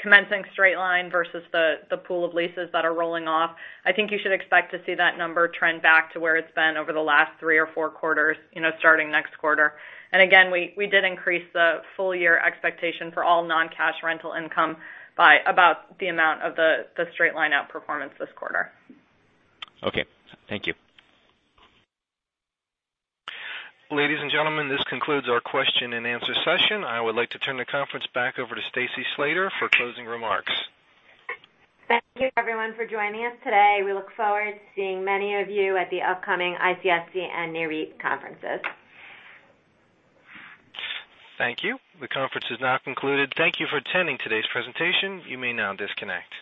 commencing straight line versus the pool of leases that are rolling off. I think you should expect to see that number trend back to where it's been over the last three or four quarters, starting next quarter. Again, we did increase the full year expectation for all non-cash rental income by about the amount of the straight line outperformance this quarter. Okay. Thank you. Ladies and gentlemen, this concludes our question and answer session. I would like to turn the conference back over to Stacy Slater for closing remarks. Thank you everyone for joining us today. We look forward to seeing many of you at the upcoming ICSC and NAREIT conferences. Thank you. The conference is now concluded. Thank you for attending today's presentation. You may now disconnect.